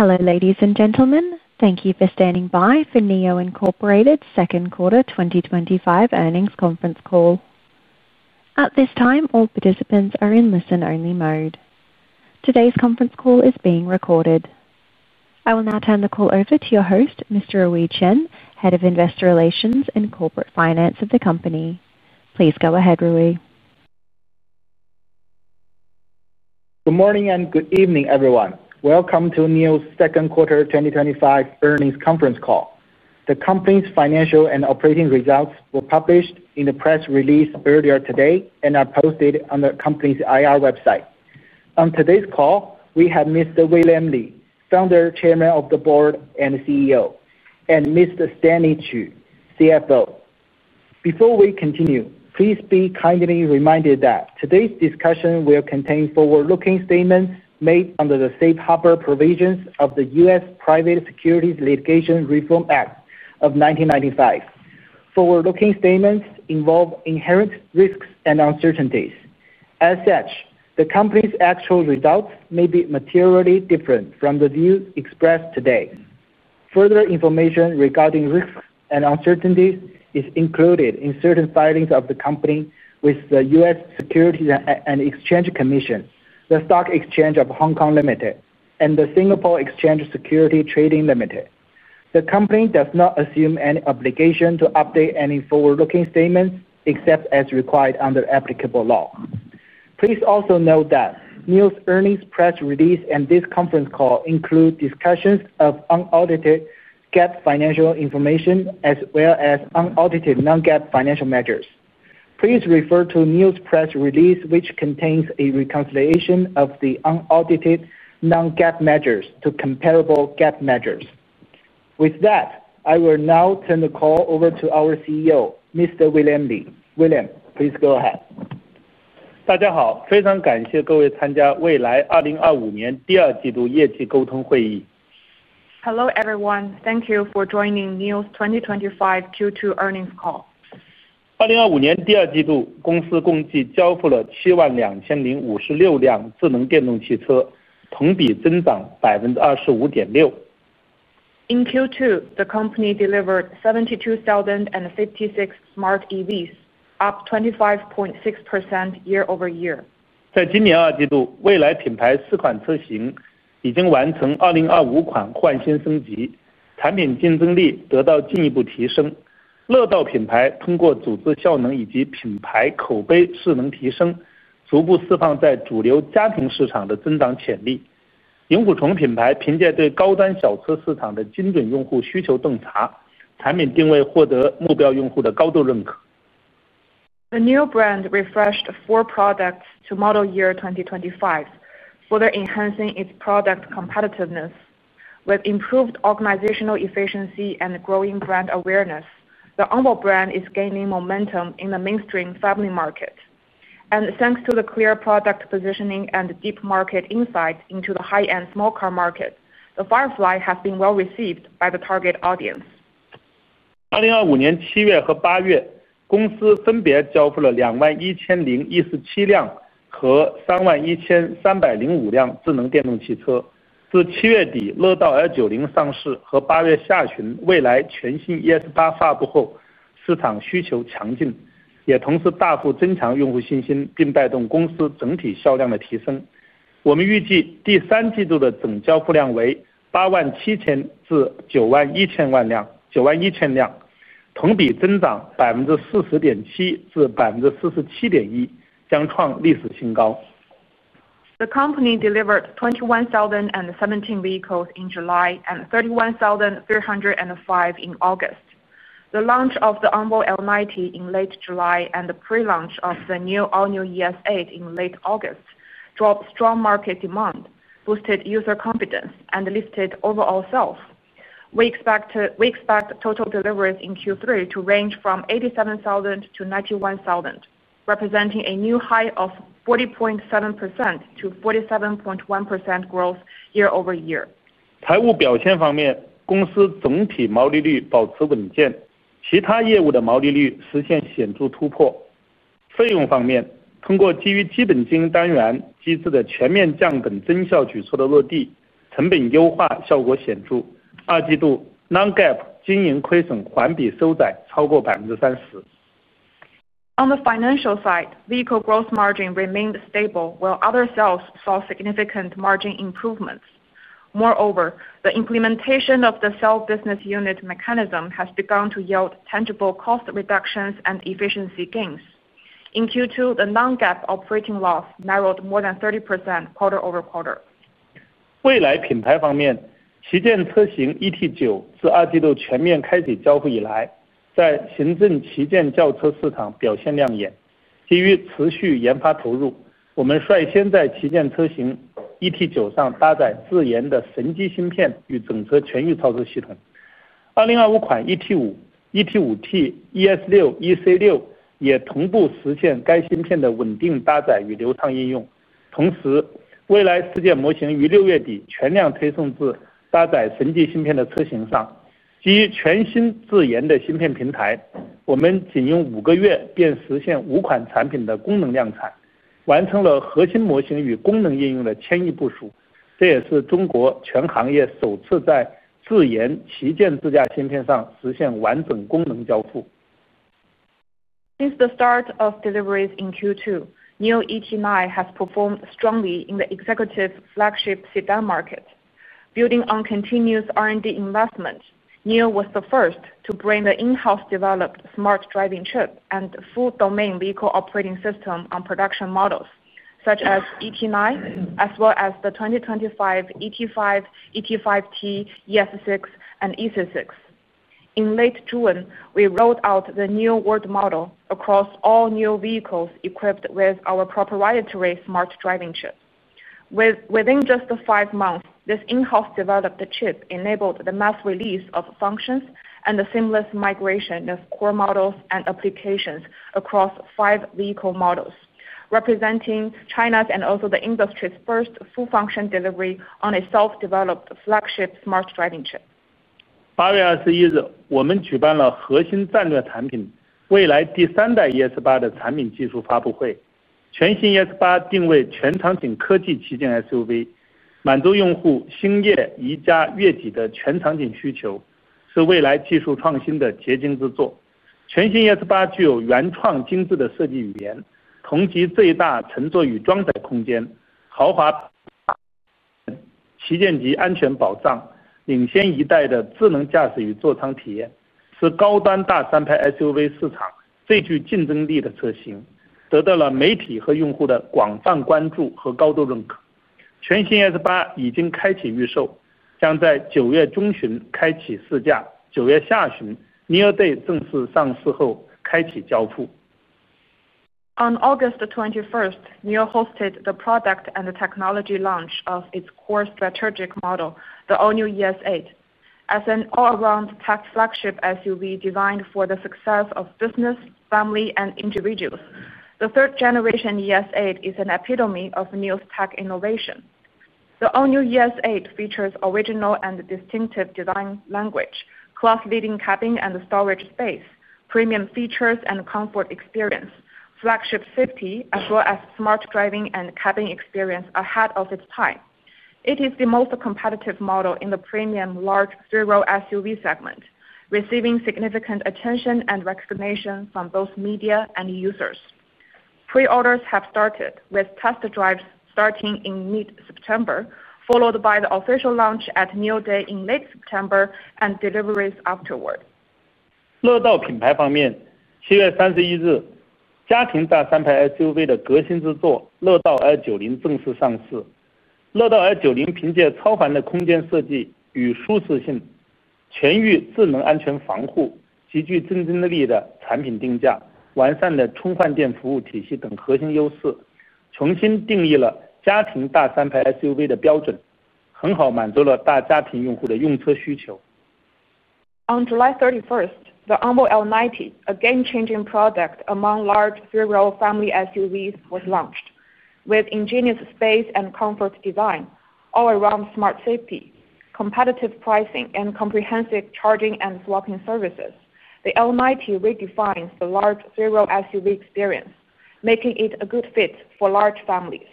Hello, ladies and gentlemen. Thank you for standing by for NIO Incorporate Second Quarter 2025 Earnings Conference Call. At this time, all participants are in listen-only mode. Today's conference call is being recorded. I will now turn the call over to your host, Mr. Rui Chen, Head of Investor Relations and Corporate Finance of the company. Please go ahead, Rui. Good morning and good evening, everyone. Welcome to NIO's Second Quarter 2025 Earnings Conference Call. The company's financial and operating results were published in the press release earlier today and are posted on the company's IR website. On today's call, we have Mr. William Li, Founder, Chairman of the Board, and CEO, and Mr. Stanley Qu, CFO. Before we continue, please be kindly reminded that today's discussion will contain forward-looking statements made under the safe harbor provisions of the U.S. Private Securities Litigation Reform Act of 1995. Forward-looking statements involve inherent risks and uncertainties. As such, the company's actual results may be materially different from the views expressed today. Further information regarding risks and uncertainties is included in certain filings of the company with the U.S. Securities and Exchange Commission, the Stock Exchange of Hong Kong Limited, and the Singapore Exchange Security Trading Limited. The company does not assume any obligation to update any forward-looking statements except as required under applicable law. Please also note that NIO's earnings press release and this conference call include discussions of unaudited GAAP financial information as well as unaudited non-GAAP financial measures. Please refer to NIO's press release, which contains a reconciliation of the unaudited non-GAAP measures to comparable GAAP measures. With that, I will now turn the call over to our CEO, Mr. William Li. William, please go ahead. 大家好, 非常感谢各位参加未来2025年第二季度业绩沟通会议。Hello, everyone. Thank you for joining NIO's 2025 Q2 Earnings Call. 2025年第二季度公司共计交付了72,056辆智能电动汽车, 同比增长25.6%。In Q2, the company delivered 72,056 smart electric vehicles, up 25.6% year-over-year. 在今年二季度，NIO品牌四款车型已经完成2025款焕新升级，产品竞争力得到进一步提升。ONVO品牌通过组织效能以及品牌口碑势能提升，逐步释放在主流家庭市场的增长潜力。Firefly品牌凭借对高端小车市场的精准用户需求洞察，产品定位获得目标用户的高度认可。The NIO brand refreshed four products to model year 2025, further enhancing its product competitiveness. With improved organizational efficiency and growing brand awareness, the ONVO brand is gaining momentum in the mainstream family market. Thanks to the clear product positioning and deep market insight into the high-end small car market, the Firefly has been well received by the target audience. which will set a new historical high. The company delivered 21,017 vehicles in July and 31,305 in August. The launch of the ONVO L90 in late July and the pre-launch of the all-new ES8 in late August drove strong market demand, boosted user confidence, and lifted overall sales. We expect total deliveries in Q3 to range from 87,000-91,000, representing a new high of 40.7% to 47.1% growth year over year. by more than 30% quarter-over-quarter. On the financial side, vehicle gross margin remained stable, while other sales saw significant margin improvements. Moreover, the implementation of the sell business unit mechanism has begun to yield tangible cost reductions and efficiency gains. In Q2, the non-GAAP operating loss narrowed more than 30% quarter over quarter. delivery has been achieved on a self-developed flagship autonomous driving chip. Since the start of deliveries in Q2, NIO ET9 has performed strongly in the executive flagship sedan market. Building on continuous R&D investment, NIO was the first to bring the in-house developed smart driving chip and full-domain vehicle operating system on production models, such as ET9, as well as the 2025 ET5, ET5 Touring, ES6, and EC6. In late June, we rolled out the NIO World Model across all NIO vehicles equipped with our proprietary smart driving chip. Within just the five months, this in-house developed chip enabled the mass release of functions and the seamless migration of core models and applications across five vehicle models, representing China's and also the industry's first full-function delivery on a self-developed flagship smart driving chip. the official launch at NIO Day in late September, deliveries will commence. On August 21st, NIO hosted the product and technology launch of its core strategic model, the all-new ES8. As an all-around tech flagship SUV designed for the success of business, family, and individuals, the third-generation ES8 is an epitome of NIO's tech innovation. The all-new ES8 features original and distinctive design language, class-leading cabin and storage space, premium features, and comfort experience. Flagship safety, as well as smart driving and cabin experience, are ahead of its time. It is the most competitive model in the premium large three-row SUV segment, receiving significant attention and recognition from both media and users. Pre-orders have started, with test drives starting in mid-September, followed by the official launch at NIO Day in late September and deliveries afterward. large family users very well. On July 31st, the ONVO L90, a game-changing product among large three-row family SUVs, was launched. With ingenious space and comfort design, all-around smart safety, competitive pricing, and comprehensive charging and swapping services, the L90 redefines the large three-row SUV experience, making it a good fit for large families.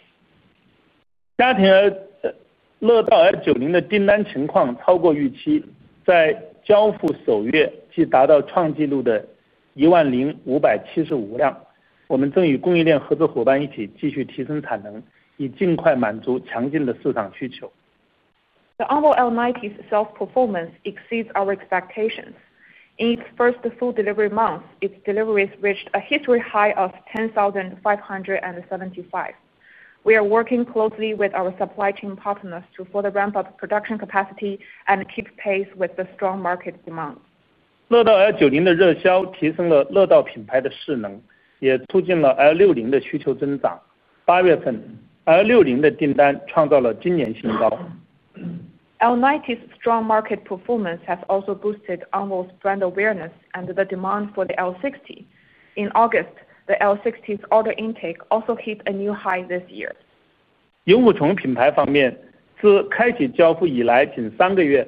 加之ONVO L90的订单情况超过预期，在交付首月即达到创纪录的10,575辆。我们正与供应链合作伙伴一起继续提升产能，以尽快满足强劲的市场需求。The ONVO L90's sales performance exceeds our expectations. In its first full delivery month, its deliveries reached a history high of 10,575. We are working closely with our supply chain partners to further ramp up production capacity and keep pace with the strong market demand. 乐道L90的热销提升了乐道品牌的势能, 也促进了L60的需求增长。8月份L60的订单创造了今年新高。L90's strong market performance has also boosted ONVO brand awareness and the demand for the L60. In August, the L60's order intake also hit a new high this year. increases, market demand for Firefly is steadily growing.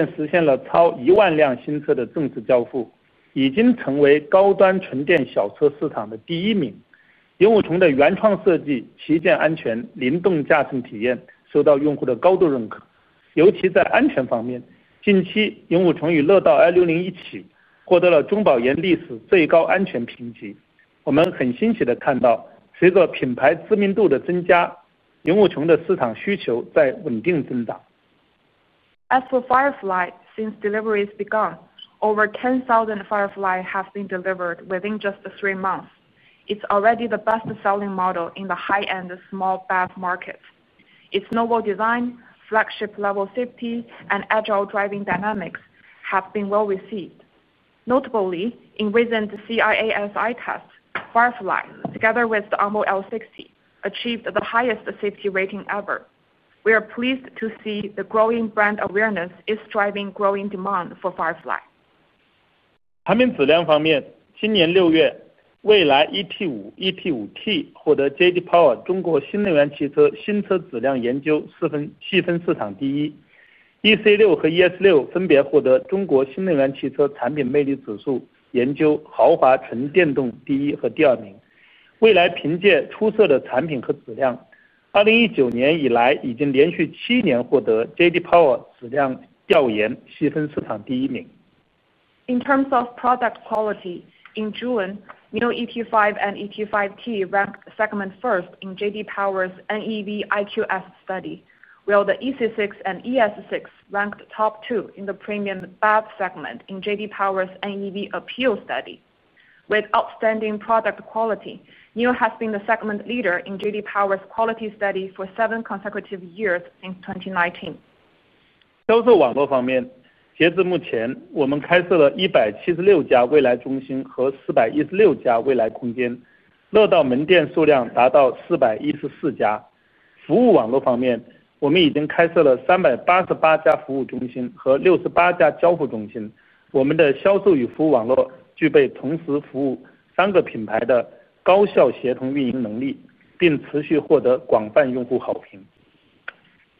As for Firefly, since deliveries began, over 10,000 Firefly have been delivered within just three months. It's already the best-selling model in the high-end small EV market. Its novel design, flagship-level safety, and agile driving dynamics have been well received. Notably, in recent CIASI tests, Firefly, together with the onboard L60, achieved the highest safety rating ever. We are pleased to see the growing brand awareness is driving growing demand for Firefly. 产品质量方面, 今年6月, 蔚来ET5、ET5 Touring获得JD Power中国新能源汽车新车质量研究细分市场第一, EC6和ES6分别获得中国新能源汽车产品魅力指数研究豪华纯电动第一和第二名。蔚来凭借出色的产品和质量, 2019年以来已经连续7年获得JD Power质量调研细分市场第一名。In terms of product quality, in June, NIO ET5 and ET5 Touring ranked segment first in JD Power's NEV IQS study, while the EC6 and ES6 ranked top two in the premium batch segment in JD Power's NEV Appeal study. With outstanding product quality, NIO has been the segment leader in JD Power's quality study for seven consecutive years since 2019. continues to receive widespread user acclaim.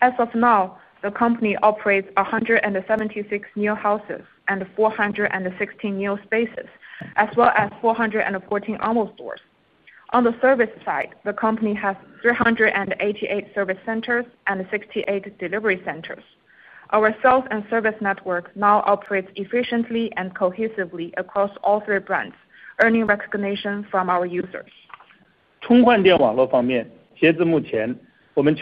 As of now, the company operates 176 NIO Houses and 416 NIO Spaces, as well as 414 onboard stores. On the service side, the company has 388 service centers and 68 delivery centers. Our sales and service network now operates efficiently and cohesively across all three brands, earning recognition from our users. making it the company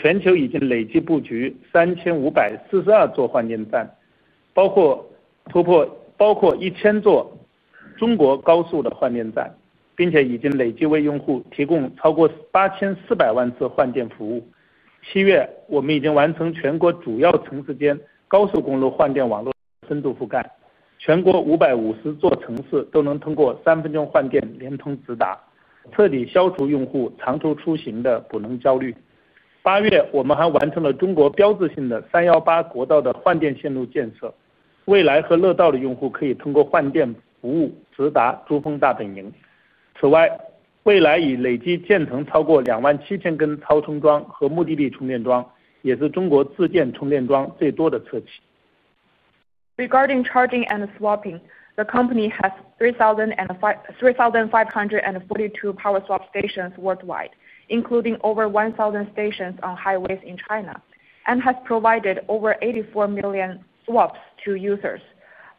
with the most self-built charging piles in China. Regarding charging and swapping, the company has 3,542 power swap stations worldwide, including over 1,000 stations on highways in China, and has provided over 84 million swaps to users.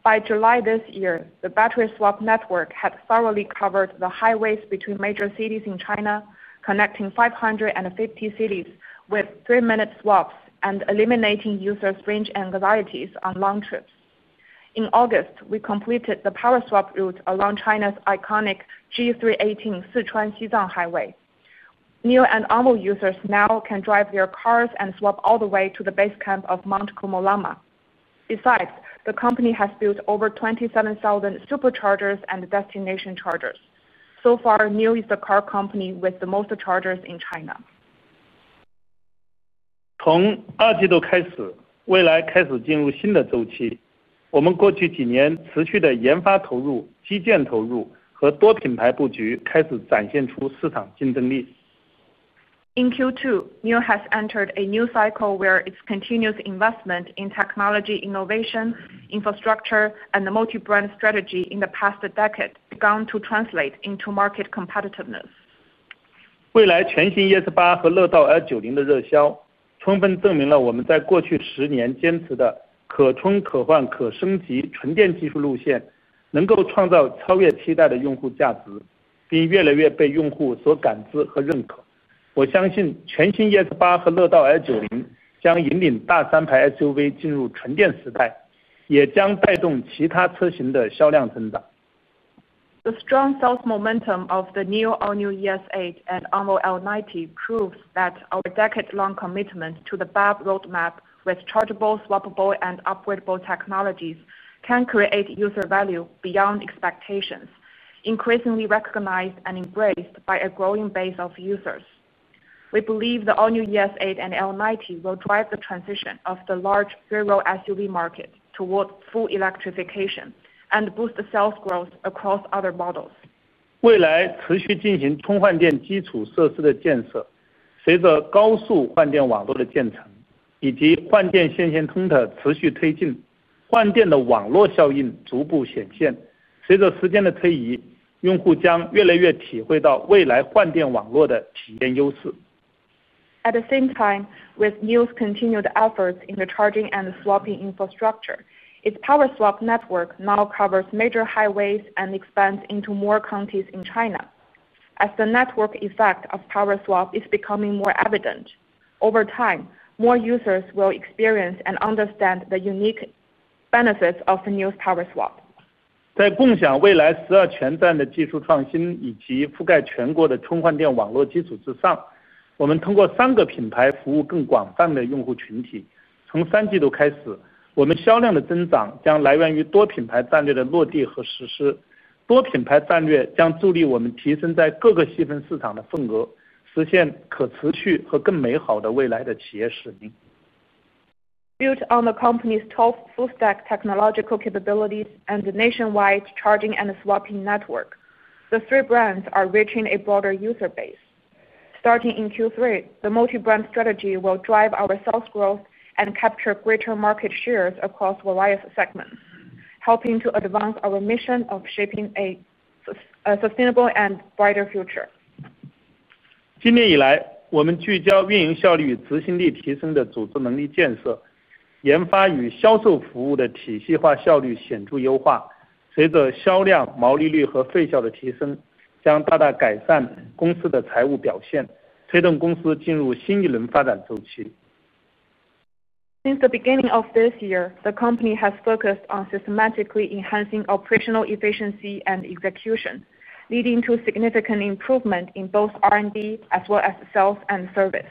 By July this year, the battery swap network had thoroughly covered the highways between major cities in China, connecting 550 cities with three-minute swaps and eliminating users' range anxieties on long trips. In August, we completed the power swap route along China's iconic G318 Sichuan-Shizang Highway. NIO and onboard users now can drive their cars and swap all the way to the base camp of Mount Komolama. Besides, the company has built over 27,000 superchargers and destination chargers. NIO is the car company with the most chargers in China. 从二季度开始, 蔚来开始进入新的周期。我们过去几年持续的研发投入、基建投入和多品牌布局开始展现出市场竞争力。In Q2, NIO has entered a new cycle where its continuous investment in technology innovation, infrastructure, and the multi-brand strategy in the past decade began to translate into market competitiveness. of other models. The strong sales momentum of the NIO all-new ES8 and ONVO L90 proves that our decade-long commitment to the battery roadmap, with chargeable, swappable, and upgradable technologies, can create user value beyond expectations, increasingly recognized and embraced by a growing base of users. We believe the all-new ES8 and L90 will drive the transition of the large three-row SUV market toward full electrification and boost sales growth across other models. NIO's power swap network. At the same time, with NIO's continued efforts in the charging and swapping infrastructure, its power swap network now covers major highways and expands into more counties in China. As the network effect of power swap is becoming more evident, over time, more users will experience and understand the unique benefits of NIO's power swap. sustainable and better future. Built on the company's tough full-stack technological capabilities and the nationwide charging and swapping network, the three brands are reaching a broader user base. Starting in Q3, the multi-brand strategy will drive our sales growth and capture greater market shares across various segments, helping to advance our mission of shaping a sustainable and brighter future. 今年以来, 我们聚焦运营效率与执行力提升的组织能力建设, 研发与销售服务的体系化效率显著优化。随着销量、毛利率和费效的提升, 将大大改善公司的财务表现, 推动公司进入新一轮发展周期。Since the beginning of this year, the company has focused on systematically enhancing operational efficiency and execution, leading to significant improvement in both R&D as well as sales and service.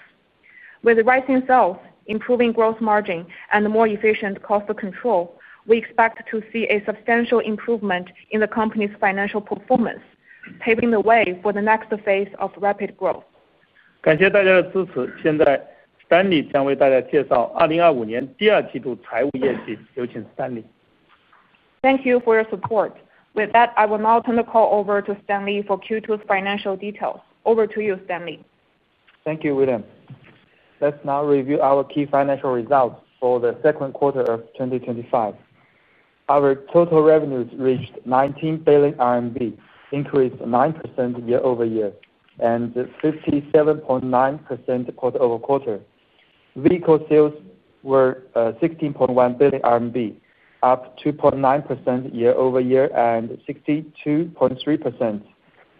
With rising sales, improving gross margin, and more efficient cost control, we expect to see a substantial improvement in the company's financial performance, paving the way for the next phase of rapid growth. 感谢大家的支持，现在Stanley Qu将为大家介绍2025年第二季度财务业绩，有请Stanley。Thank you for your support. With that, I will now turn the call over to Stanley for Q2's financial details. Over to you, Stanley. Thank you, William. Let's now review our key financial results for the second quarter of 2025. Our total revenues reached 19 billion RMB, increased 9% year over year, and 57.9% quarter-over-quarter. Vehicle sales were 16.1 billion RMB, up 2.9% year-over-year and 62.3%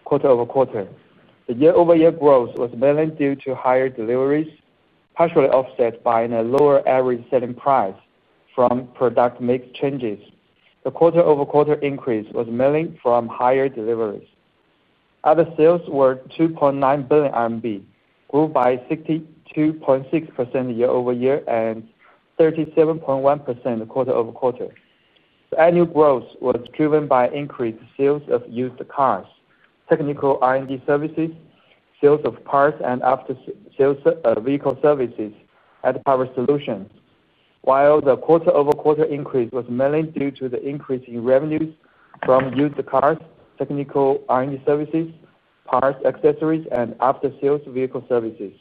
quarter-over-quarter. The year-over-year growth was mainly due to higher deliveries, partially offset by the lower average selling price from product mix changes. The quarter-over-quarter increase was mainly from higher deliveries. Other sales were 2.9 billion RMB, grew by 62.6% year-over-year and 37.1% quarter over quarter. The annual growth was driven by increased sales of used cars, technical R&D services, sales of parts, and after-sales vehicle services at Power Solutions, while the quarter-over-quarter increase was mainly due to the increase in revenues from used cars, technical R&D services, parts, accessories, and after-sales vehicle services.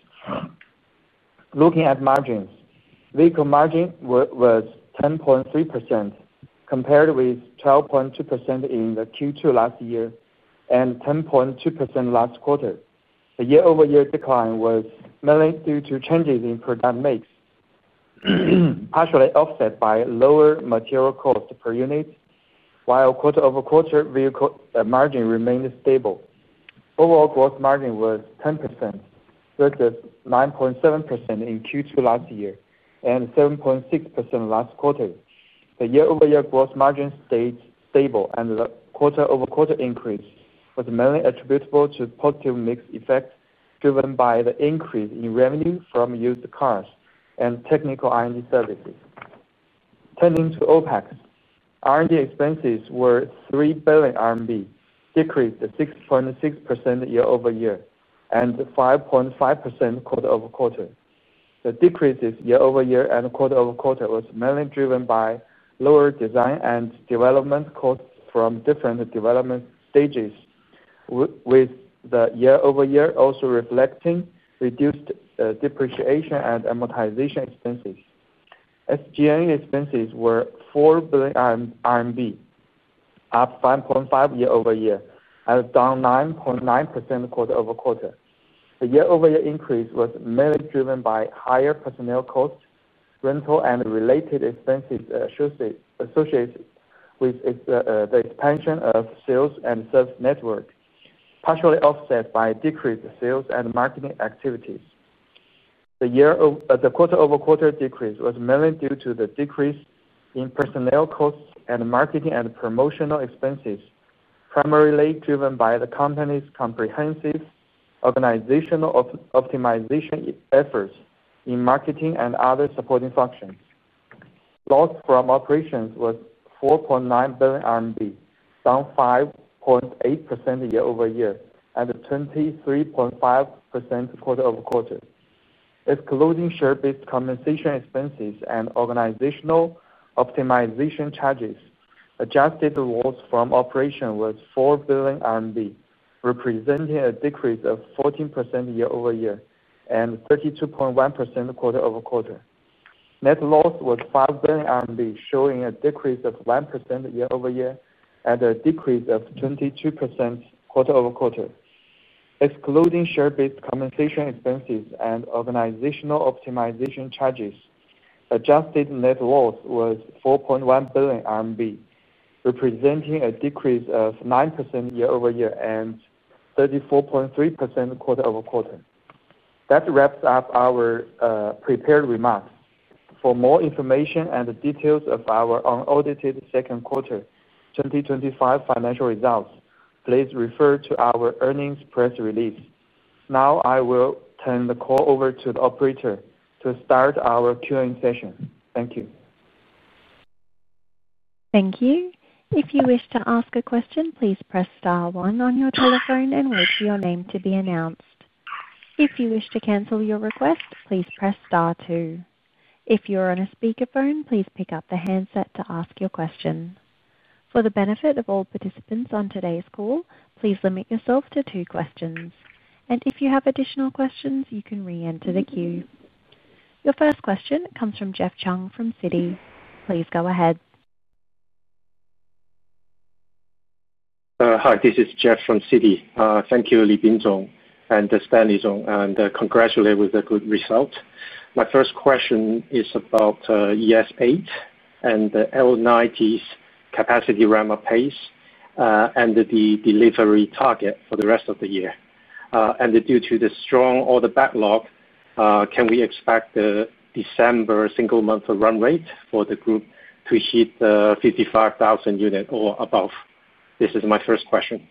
Looking at margins, vehicle margin was 10.3% compared with 12.2% in Q2 last year and 10.2% last quarter. The year-over-year decline was mainly due to changes in product mix, partially offset by lower material cost per unit, while quarter-over-quarter vehicle margin remained stable. Overall gross margin was 10%, 39.7% in Q2 last year and 7.6% last quarter. The year-over-year gross margin stayed stable, and the quarter-over-quarter increase was mainly attributable to positive mix effects driven by the increase in revenue from used cars and technical R&D services. Turning to OPEX, R&D expenses were 3 billion RMB, decreased 6.6% year-over-year and 5.5% quarter-over-quarter. The decreases year over year and quarter over quarter were mainly driven by lower design and development costs from different development stages, with the year-over-year also reflecting reduced depreciation and amortization expenses. SG&A expenses were RMB 4 billion, up 5.5% year over year and down 9.9% quarter over quarter. The year-over-year increase was mainly driven by higher personnel costs, rental, and related expenses associated with the expansion of sales and service network, partially offset by decreased sales and marketing activities. The quarter-over-quarter decrease was mainly due to the decrease in personnel costs and marketing and promotional expenses, primarily driven by the company's comprehensive organizational optimization efforts in marketing and other supporting functions. Loss from operations was 4.9 billion RMB, down 5.8% year-over-year and 23.5% quarter-over-quarter. Excluding share-based compensation expenses and organizational optimization charges, adjusted loss from operations was 4 billion RMB, representing a decrease of 14% year over year and 32.1% quarter over quarter. Net loss was RMB 5 billion, showing a decrease of 1% year-over-year and a decrease of 22% quarter-over-quarter. Excluding share-based compensation expenses and organizational optimization charges, adjusted net loss was 4.1 billion RMB, representing a decrease of 9% year-over-year and 34.3% quarter-over-quarter. That wraps up our prepared remarks. For more information and the details of our unaudited second quarter 2025 financial results, please refer to our earnings press release. Now, I will turn the call over to the operator to start our Q&A session. Thank you. Thank you. If you wish to ask a question, please press star one on your telephone and wait for your name to be announced. If you wish to cancel your request, please press star two. If you're on a speaker phone, please pick up the handset to ask your question. For the benefit of all participants on today's call, please limit yourself to two questions. If you have additional questions, you can re-enter the queue. Your first question comes from Jeff Chung from CITI. Please go ahead. Hi, this is Jeff from Citi. Thank you, William Li and Stanley Qu, and congratulate with a good result. My first question is about ES8 and the L90's capacity ramp updates and the delivery target for the rest of the year. Due to the strong order backlog, can we expect the December single-month run rate for the group to hit the 55,000 units or above? This is my first question.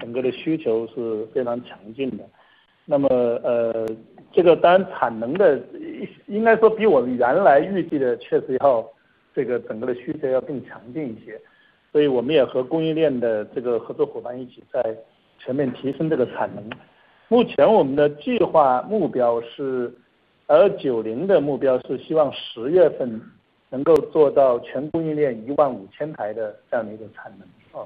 的目标是希望 10 月份能够做到全供应链 15,000 台的产能。在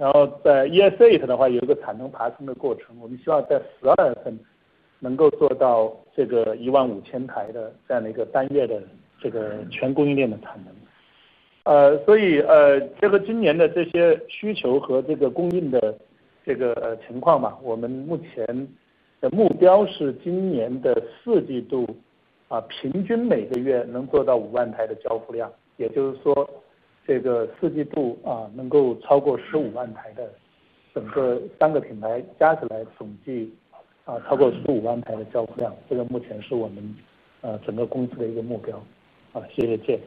ES8 的话，有一个产能爬升的过程，我们希望在 12 月份能够做到 15,000 台的单月全供应链产能。结合今年的这些需求和供应的情况吧，我们目前的目标是今年的四季度，平均每个月能做到 50,000 台的交付量，也就是说四季度能够超过 150,000 台的整个三个品牌加起来，总计超过 150,000 台的交付量。这个目前是我们整个公司的一个目标。谢谢 Jeff。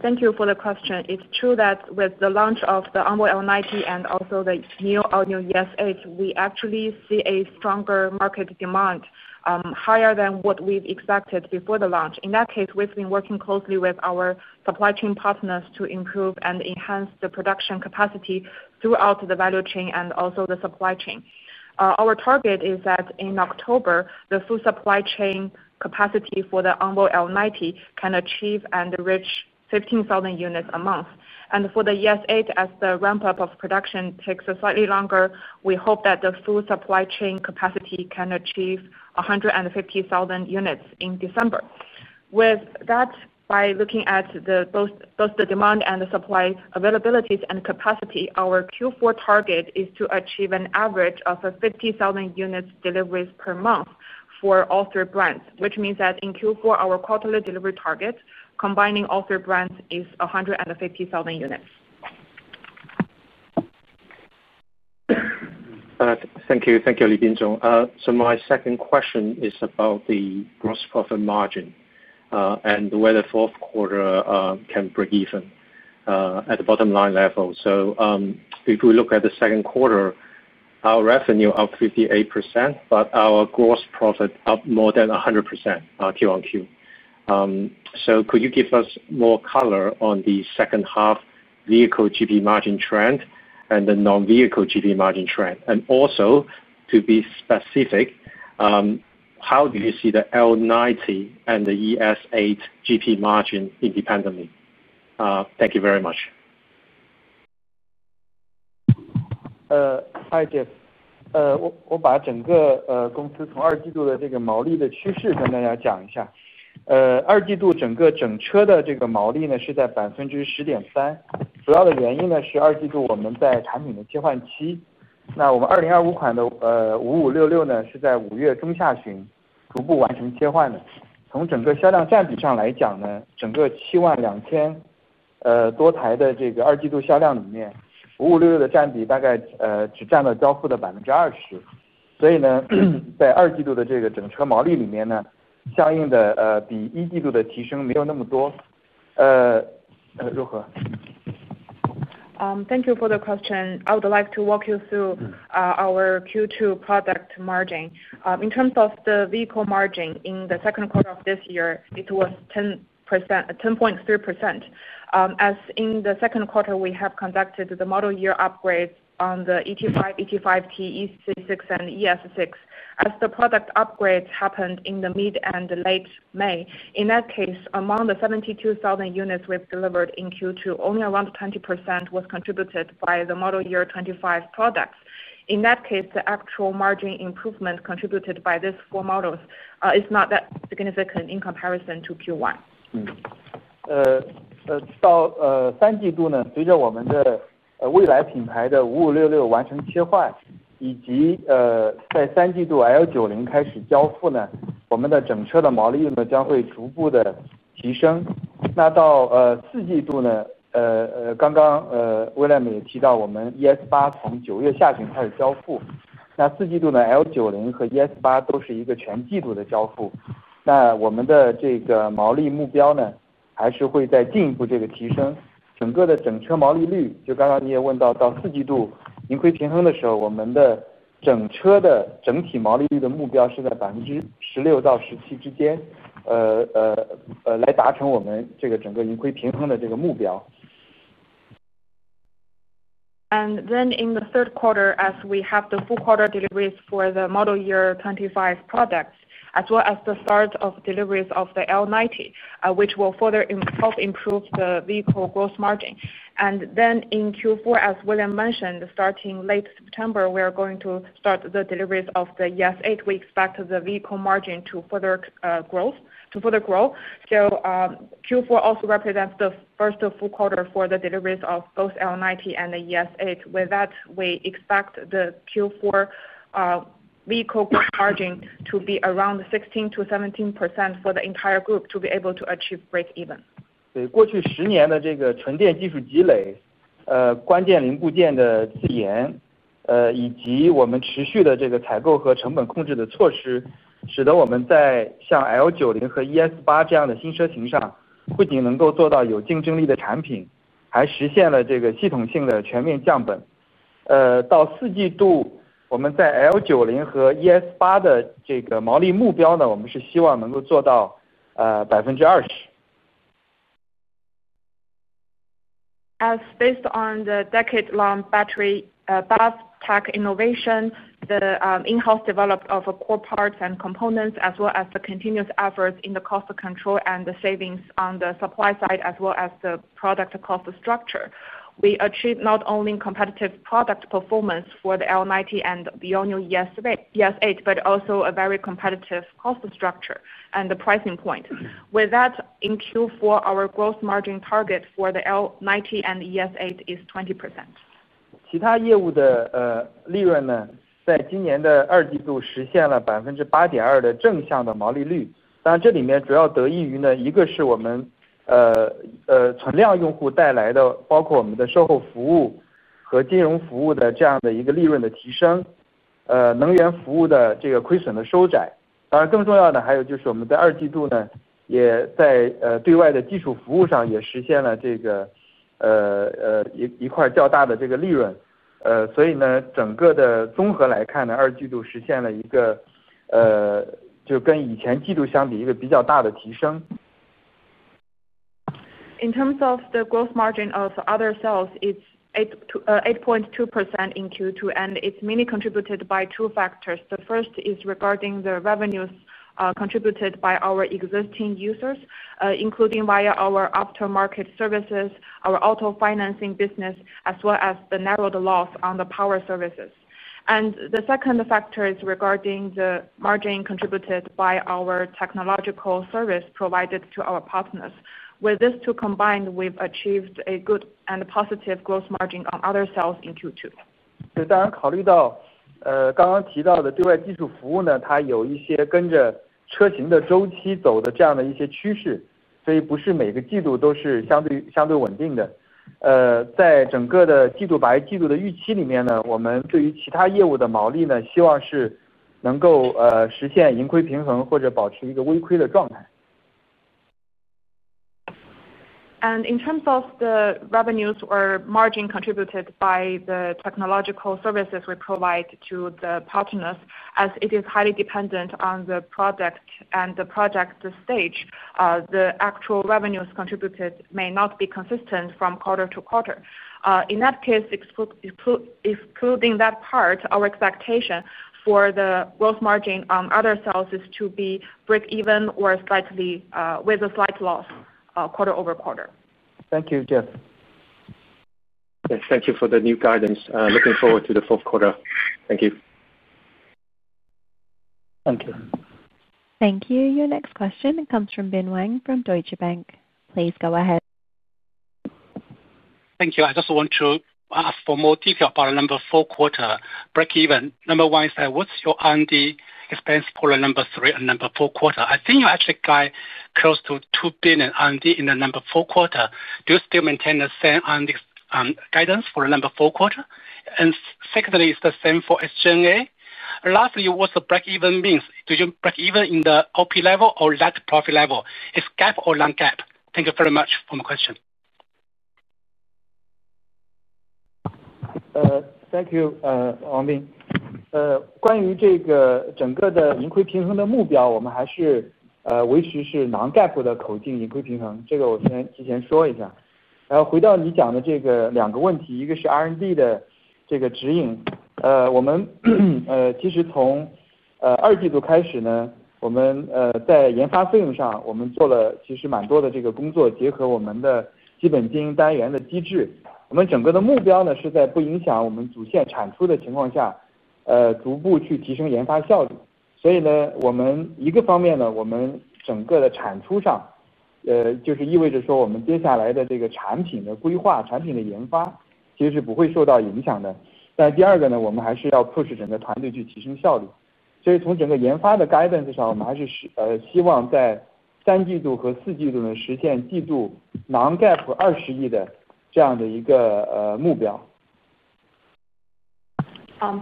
Thank you for the question. It's true that with the launch of the ONVO L90 and also the all-new ES8, we actually see a stronger market demand, higher than what we've expected before the launch. In that case, we've been working closely with our supply chain partners to improve and enhance the production capacity throughout the value chain and also the supply chain. Our target is that in October, the full supply chain capacity for the ONVO L90 can achieve and reach 15,000 units a month. For the ES8, as the ramp-up of production takes slightly longer, we hope that the full supply chain capacity can achieve 15,000 units in December. With that, by looking at both the demand and the supply availabilities and capacity, our Q4 target is to achieve an average of 50,000 units deliveries per month for all three brands, which means that in Q4, our quarterly delivery target, combining all three brands, is 150,000 units. Thank you. Thank you, Li Bingzhong. My second question is about the gross profit margin and whether the fourth quarter can break even at the bottom line level. If we look at the second quarter, our revenue is up 58%, but our gross profit is up more than 100% Q1Q. Could you give us more color on the second half vehicle GP margin trend and the non-vehicle GP margin trend? To be specific, how do you see the L90 and the ES8 GP margin independently? Thank you very much. Hi Jeff, Thank you for the question. I would like to walk you through our Q2 product margin. In terms of the vehicle margin in the second quarter of this year, it was 10.3%. As in the second quarter, we have conducted the model year upgrades on the ET5, ET5 Touring, EC6, and ES6. As the product upgrades happened in mid and late May, in that case, among the 72,000 units we've delivered in Q2, only around 20% was contributed by the model year 2025 products. In that case, the actual margin improvement contributed by these four models is not that significant in comparison to Q1. 到三季度呢, 随着我们的蔚来品牌的5566完成切换, 就刚刚你也问到, 到四季度盈亏平衡的时候, 我们的整车的整体毛利率的目标是在16%到17%之间, 来达成我们整个盈亏平衡的目标。In the third quarter, as we have the full quarter deliveries for the model year 2025 products, as well as the third of deliveries of the L90, this will further improve the vehicle gross margin. In Q4, as William mentioned, starting late September, we are going to start the deliveries of the ES8. We expect the vehicle margin to further grow. Q4 also represents the first full quarter for the deliveries of both L90 and the ES8. With that, we expect the Q4 vehicle gross margin to be around 16%-17% for the entire group to be able to achieve break even. As based on the decade-long battery Bath tech innovation, the in-house development of core parts and components, as well as the continuous efforts in the cost control and the savings on the supply side, as well as the product cost structure, we achieved not only competitive product performance for the L90 and the all-new ES8, but also a very competitive cost structure and the pricing point. With that, in Q4, our gross margin target for the L90 and ES8 is 20%. quarters, the second quarter saw a significant improvement. In terms of the gross margin of other sales, it's 8.2% in Q2, and it's mainly contributed by two factors. The first is regarding the revenues contributed by our existing users, including via our aftermarket services, our auto financing business, as well as the narrowed loss on the power services. The second factor is regarding the margin contributed by our technological service provided to our partners. With these two combined, we've achieved a good and positive gross margin on other sales in Q2. 当然考虑到刚刚提到的对外技术服务, 它有一些跟着车型的周期走的趋势, 所以不是每个季度都是相对稳定的。在整个季度的预期里面, 我们对于其他业务的毛利, 希望是能够实现盈亏平衡或者保持一个微亏的状态。In terms of the revenues or margin contributed by the technological services we provide to the partners, as it is highly dependent on the product and the project stage, the actual revenues contributed may not be consistent from quarter to quarter. In that case, excluding that part, our expectation for the gross margin on other sales is to be break even or with a slight loss quarter over quarter. Thank you, Jeff. Thank you for the new guidance. Looking forward to the fourth quarter. Thank you. Thank you. Thank you. Your next question comes from Bin Wang from Deutsche Bank. Please go ahead. Thank you. I just want to ask for more details about the number four quarter break even. Number one is that what's your R&D expense for the number three and number four quarter? I think you actually got close to 2 billion R&D in the number four quarter. Do you still maintain the same R&D guidance for the number four quarter? Secondly, is the same for SG&A? Lastly, what's the break even means? Do you break even in the operating loss level or net profit level? Is GAAP or non-GAAP? Thank you very much for my question. we still hope to achieve a quarterly non-GAAP target of ¥2 billion in both the third and fourth quarters.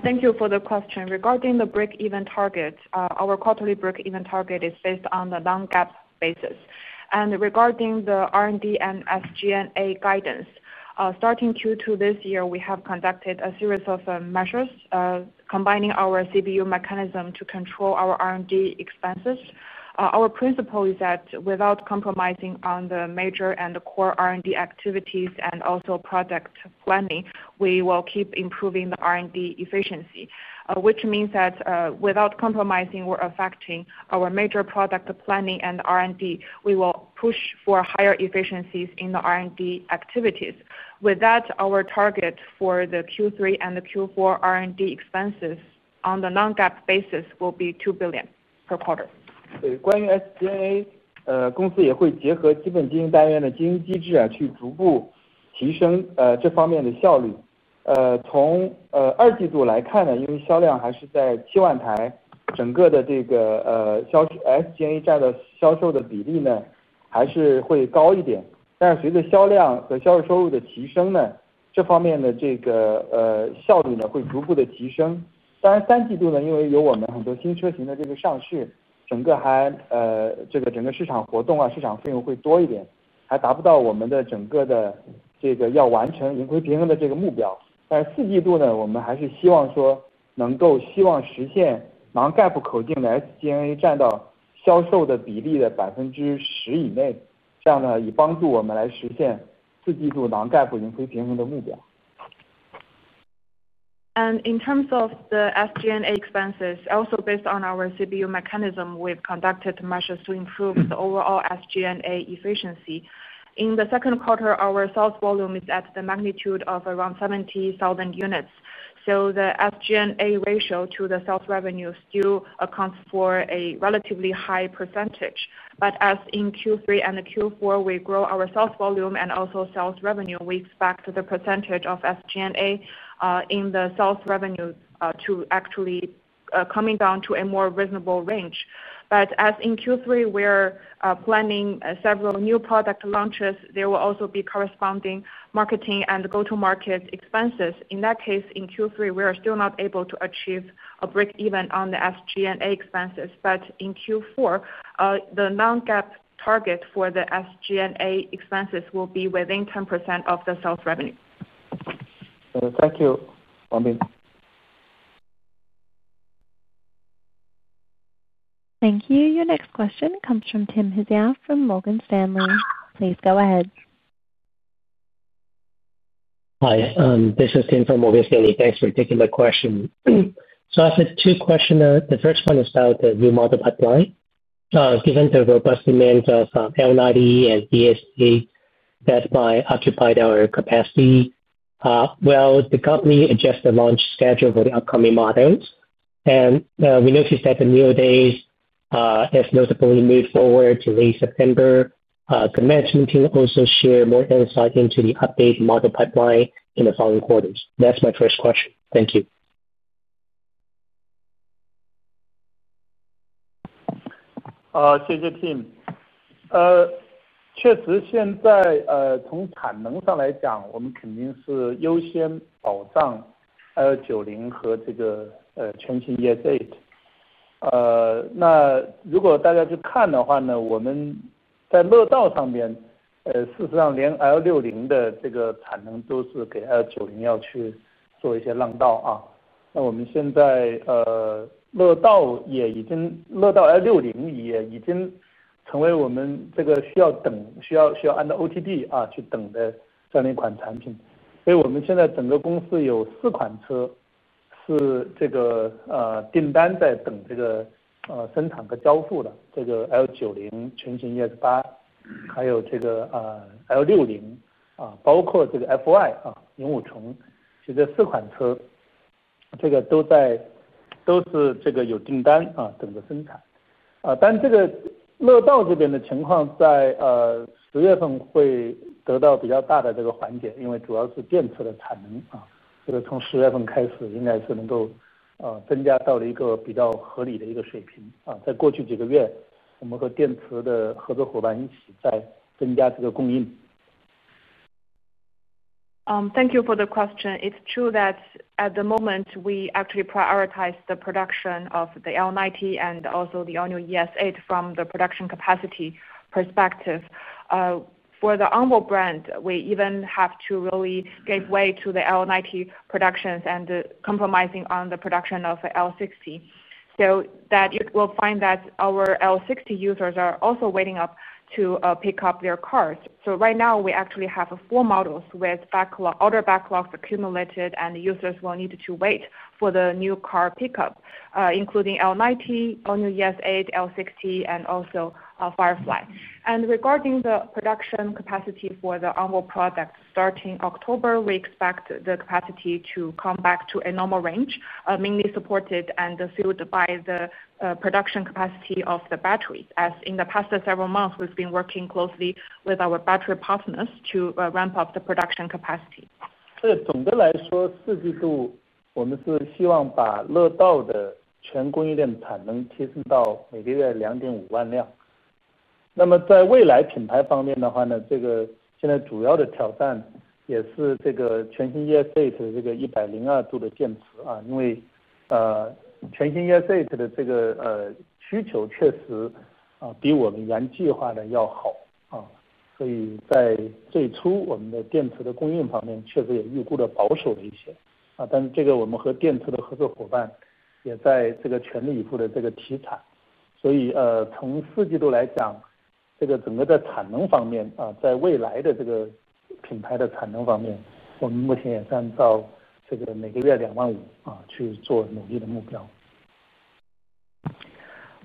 Thank you for the question. Regarding the break even target, our quarterly break even target is based on the non-GAAP basis. Regarding the R&D and SG&A guidance, starting Q2 this year, we have conducted a series of measures combining our CBU mechanism to control our R&D expenses. Our principle is that without compromising on the major and core R&D activities and also product planning, we will keep improving the R&D efficiency, which means that without compromising or affecting our major product planning and R&D, we will push for higher efficiencies in the R&D activities. With that, our target for the Q3 and the Q4 R&D expenses on the non-GAAP basis will be ¥2 billion per quarter. help us achieve the non-GAAP break-even target for the fourth quarter. In terms of the SG&A expenses, also based on our CBU mechanism, we've conducted measures to improve the overall SG&A efficiency. In the second quarter, our sales volume is at the magnitude of around 70,000 units. The SG&A ratio to the sales revenue still accounts for a relatively high percentage. As in Q3 and Q4, we grow our sales volume and also sales revenue, we expect the percentage of SG&A in the sales revenue to actually come down to a more reasonable range. As in Q3, we're planning several new product launches. There will also be corresponding marketing and go-to-market expenses. In that case, in Q3, we are still not able to achieve a break even on the SG&A expenses. In Q4, the non-GAAP target for the SG&A expenses will be within 10% of the sales revenue. Thank you, Armin. Thank you. Your next question comes from Tim Hsiao from Morgan Stanley. Please go ahead. Hi, this is Tim from Morgan Stanley. Thanks for taking my question. I have a two-questioner. The first one is about the new model pipeline. Given the robust demand of L90 and ES8 that might occupy our capacity, will the company adjust the launch schedule for the upcoming models? We noticed that the new days have notably moved forward to late September. Could matching team also share more insight into the updated model pipeline in the following quarters? That's my first question. Thank you. L60 也已经成为我们需要按照 OTD 去等的这样的一款产品。现在整个公司有四款车是订单在等生产和交付的，L90、全新 ES8、L60，包括 FY05，其实这四款车都有订单等着生产。乐道这边的情况在 10 月份会得到比较大的缓解，主要是电池的产能从 10 月份开始应该是能够增加到一个比较合理的水平。在过去几个月我们和电池的合作伙伴一起在增加供应。Thank you for the question. It's true that at the moment we actually prioritize the production of the L90 and also the all-new ES8 from the production capacity perspective. For the ONVO brand, we even have to really give way to the L90 production and compromising on the production of L60. You will find that our L60 users are also waiting up to pick up their cars. Right now we actually have four models with order backlogs accumulated, and users will need to wait for the new car pickup, including L90, all-new ES8, L60, and also Firefly. Regarding the production capacity for the ONVO product, starting October, we expect the capacity to come back to a normal range, mainly supported and fueled by the production capacity of the batteries. In the past several months, we've been working closely with our battery partners to ramp up the production capacity.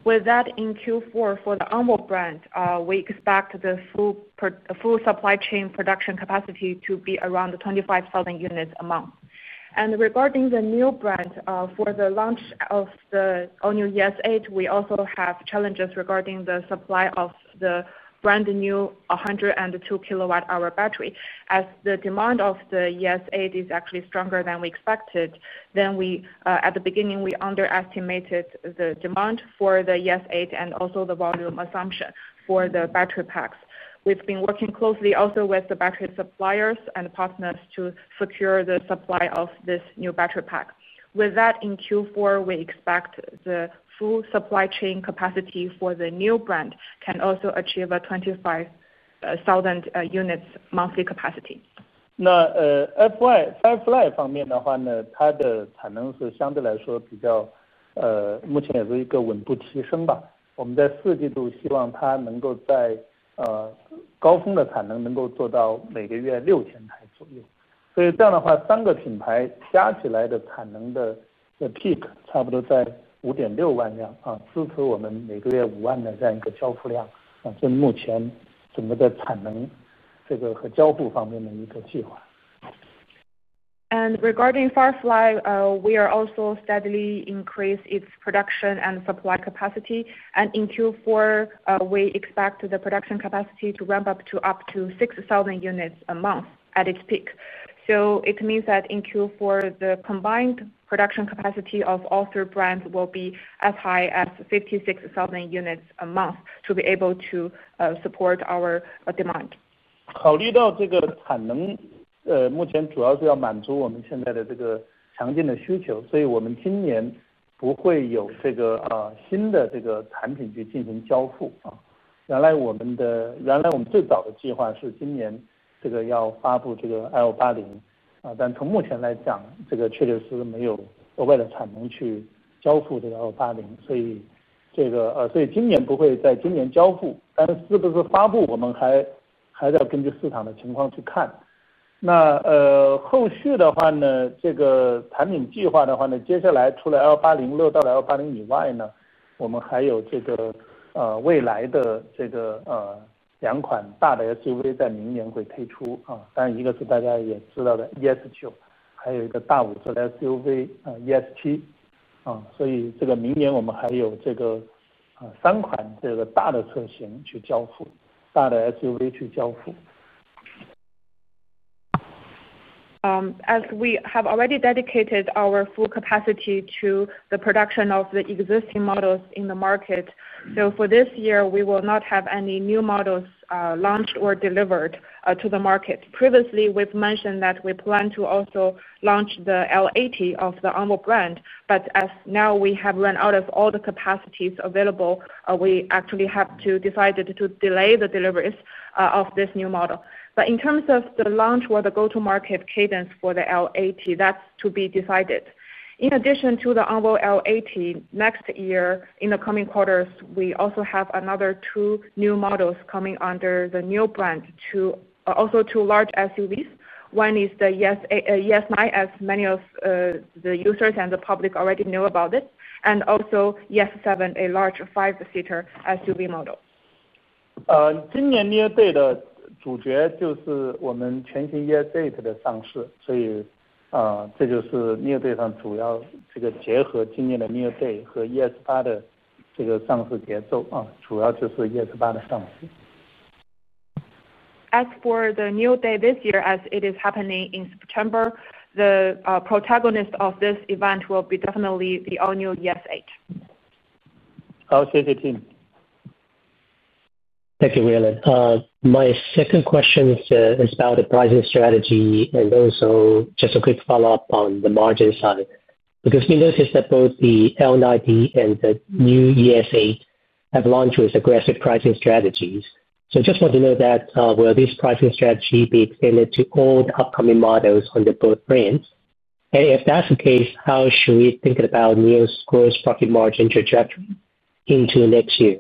With that, in Q4, for the ONVO brand, we expect the full supply chain production capacity to be around 25,000 units a month. Regarding the new brand for the launch of the all-new ES8, we also have challenges regarding the supply of the brand new 102 kWh battery. As the demand of the ES8 is actually stronger than we expected, we, at the beginning, underestimated the demand for the ES8 and also the volume assumption for the battery packs. We've been working closely with the battery suppliers and partners to secure the supply of this new battery pack. With that, in Q4, we expect the full supply chain capacity for the new brand can also achieve a 25,000 units monthly capacity. FY方面的话呢, 它的产能是相对来说比较目前也是一个稳步提升吧。我们在四季度希望它能够在高峰的产能能够做到每个月6,000台左右。这样的话, 三个品牌加起来的产能的peak差不多在56,000辆, 支持我们每个月50,000的这样一个交付量, 这是目前整个的产能和交付方面的一个计划。Regarding Firefly, we are also steadily increasing its production and supply capacity. In Q4, we expect the production capacity to ramp up to 6,000 units a month at its peak. This means that in Q4, the combined production capacity of all three brands will be as high as 56,000 units a month to be able to support our demand. ES7. Next year, we will have three large SUV models to deliver. As we have already dedicated our full capacity to the production of the existing models in the market, for this year, we will not have any new models launched or delivered to the market. Previously, we've mentioned that we plan to also launch the L90 of the ONVO brand, but as now we have run out of all the capacities available, we actually have decided to delay the deliveries of this new model. In terms of the launch or the go-to-market cadence for the L90, that's to be decided. In addition to the ONVO L90, next year in the coming quarters, we also have another two new models coming under the new brand, also two large SUVs. One is the ES8, as many of the users and the public already know about it, and also ES7, a large five-seater SUV model. is the launch of the ES8. As for the NIO Day this year, as it is happening in September, the protagonist of this event will be definitely the all-new ES8. 好, 谢谢Tim。Thank you, William. My second question is about the pricing strategy and also just a quick follow-up on the margin side. We noticed that both the L90 and the new ES8 have launched with aggressive pricing strategies. I just want to know that, will this pricing strategy be extended to all the upcoming models under both brands? If that's the case, how should we think about NIO's gross profit margin trajectory into next year?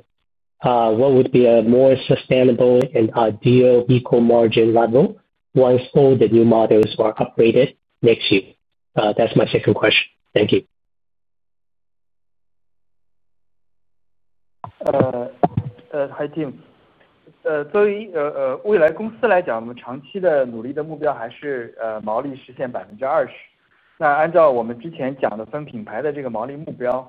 What would be a more sustainable and ideal vehicle margin level once all the new models are upgraded next year? That's my second question. Thank you. in-house R&D, and our cost control measures to achieve this cost reduction goal.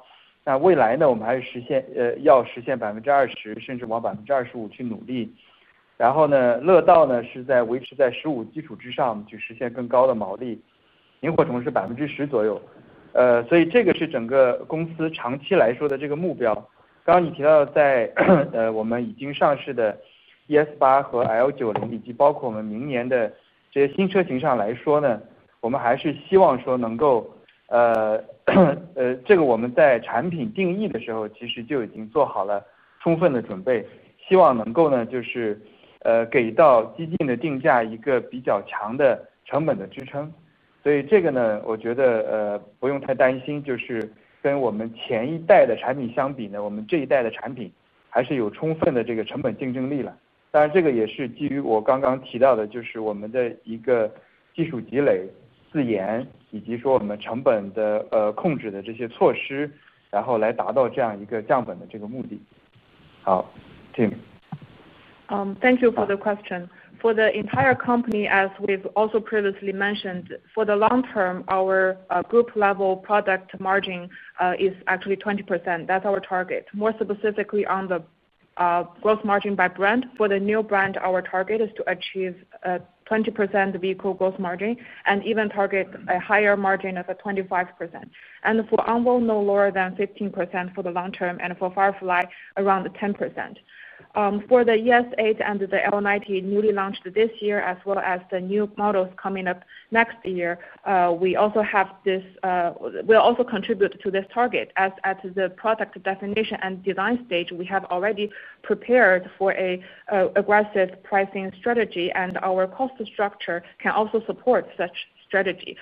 Okay, Tim. Thank you for the question. For the entire company, as we've also previously mentioned, for the long term, our group level product margin is actually 20%. That's our target. More specifically on the gross margin by brand, for the new brand, our target is to achieve a 20% vehicle gross margin and even target a higher margin of 25%. For ONVO, no lower than 15% for the long term, and for Firefly, around 10%. For the ES8 and the L90 newly launched this year, as well as the new models coming up next year, we also have this, we'll also contribute to this target. At the product definition and design stage, we have already prepared for an aggressive pricing strategy, and our cost structure can also support such strategy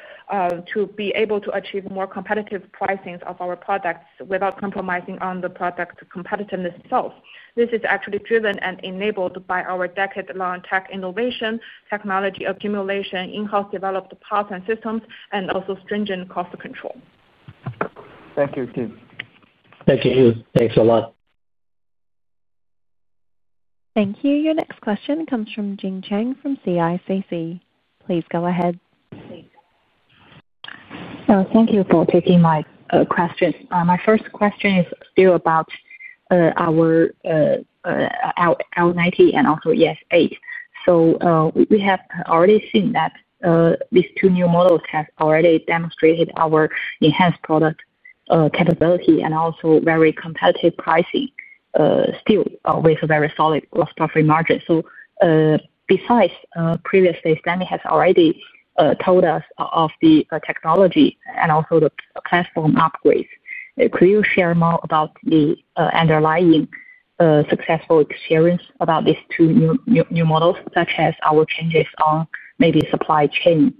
to be able to achieve more competitive pricings of our products without compromising on the product competitiveness itself. This is actually driven and enabled by our decade-long tech innovation, technology accumulation, in-house developed parts and systems, and also stringent cost control. Thank you, Tim. Thank you, Rui. Thanks a lot. Thank you. Your next question comes from Jing Chang from CICC. Please go ahead. Thank you for taking my questions. My first question is still about our L90 and also ES8. We have already seen that these two new models have already demonstrated our enhanced product capability and also very competitive pricing, still with a very solid gross profit margin. Besides previously, Stanley has already told us of the technology and also the platform upgrades. Could you share more about the underlying successful experience about these two new models, such as our changes on maybe supply chain,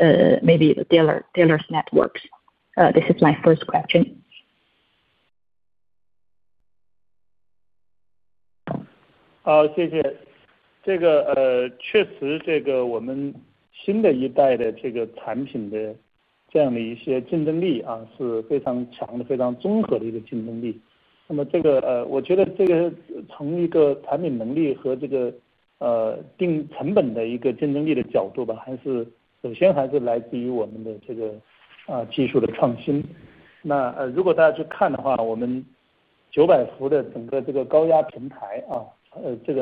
maybe the dealers' networks? This is my first question. 谢谢, 这个确实我们新的一代的产品的这样的一些竞争力啊是非常强的, 非常综合的一个竞争力。那么我觉得从一个产品能力和定成本的一个竞争力的角度吧, 还是首先还是来自于我们的技术的创新。如果大家去看的话, 我们900V高压平台啊,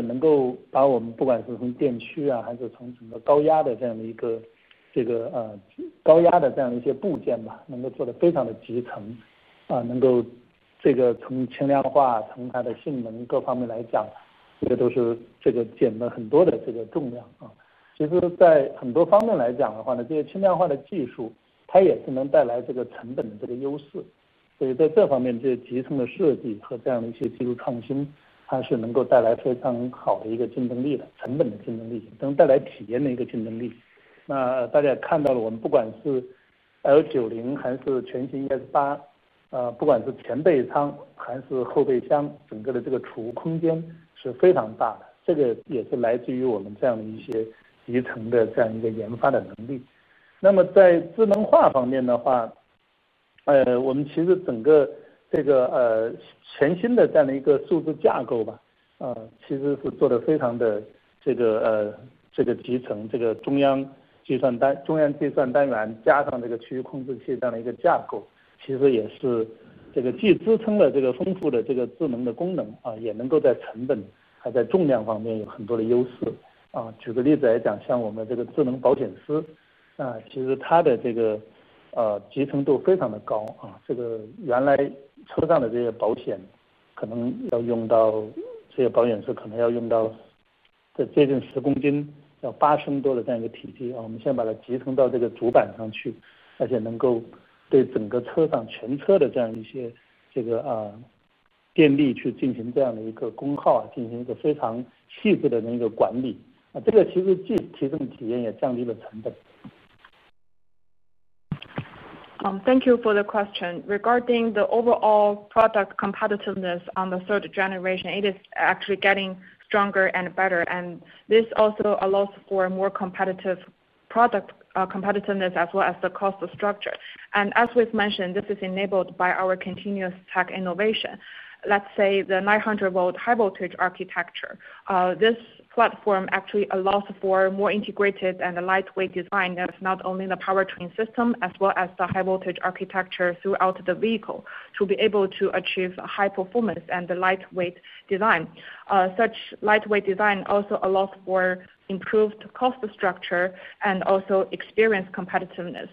能够把我们不管是从电驱还是从整个高压的部件吧, 能够做得非常的集成, 能够从轻量化、从它的性能各方面来讲, 这都是减了很多的重量。其实在很多方面来讲的话呢, 这些轻量化的技术它也是能带来成本的优势。所以在这方面, 这些集成的设计和技术创新, 它是能够带来非常好的一个竞争力的成本的竞争力, 能带来体验的一个竞争力。大家也看到了, 我们不管是L90还是全新ES8, 不管是前备舱还是后备箱, 整个的储物空间是非常大的, 这个也是来自于我们这样的一些集成的研发的能力。在智能化方面的话, 我们其实整个全新的数字架构吧, 其实是做得非常的集成, 这个中央计算单元加上区域控制器这样的一个架构, 其实也是既支撑了丰富的智能功能, 也能够在成本还在重量方面有很多的优势。举个例子来讲, 像我们这个智能保险丝, 其实它的集成度非常的高, 原来车上的这些保险可能要用到, 这些保险丝可能要用到接近10公斤, 要8升多的体积, 我们先把它集成到主板上去, 而且能够对整个车上全车的电力去进行功耗, 进行一个非常细致的管理, 这个其实既提升体验也降低了成本。Thank you for the question. Regarding the overall product competitiveness on the third generation, it is actually getting stronger and better, and this also allows for more competitive product competitiveness as well as the cost structure. As we've mentioned, this is enabled by our continuous tech innovation. Let's say the 900V high-voltage platform, this platform actually allows for more integrated and lightweight design of not only the powertrain system as well as the high-voltage architecture throughout the vehicle to be able to achieve high performance and the lightweight design. Such lightweight design also allows for improved cost structure and also experience competitiveness.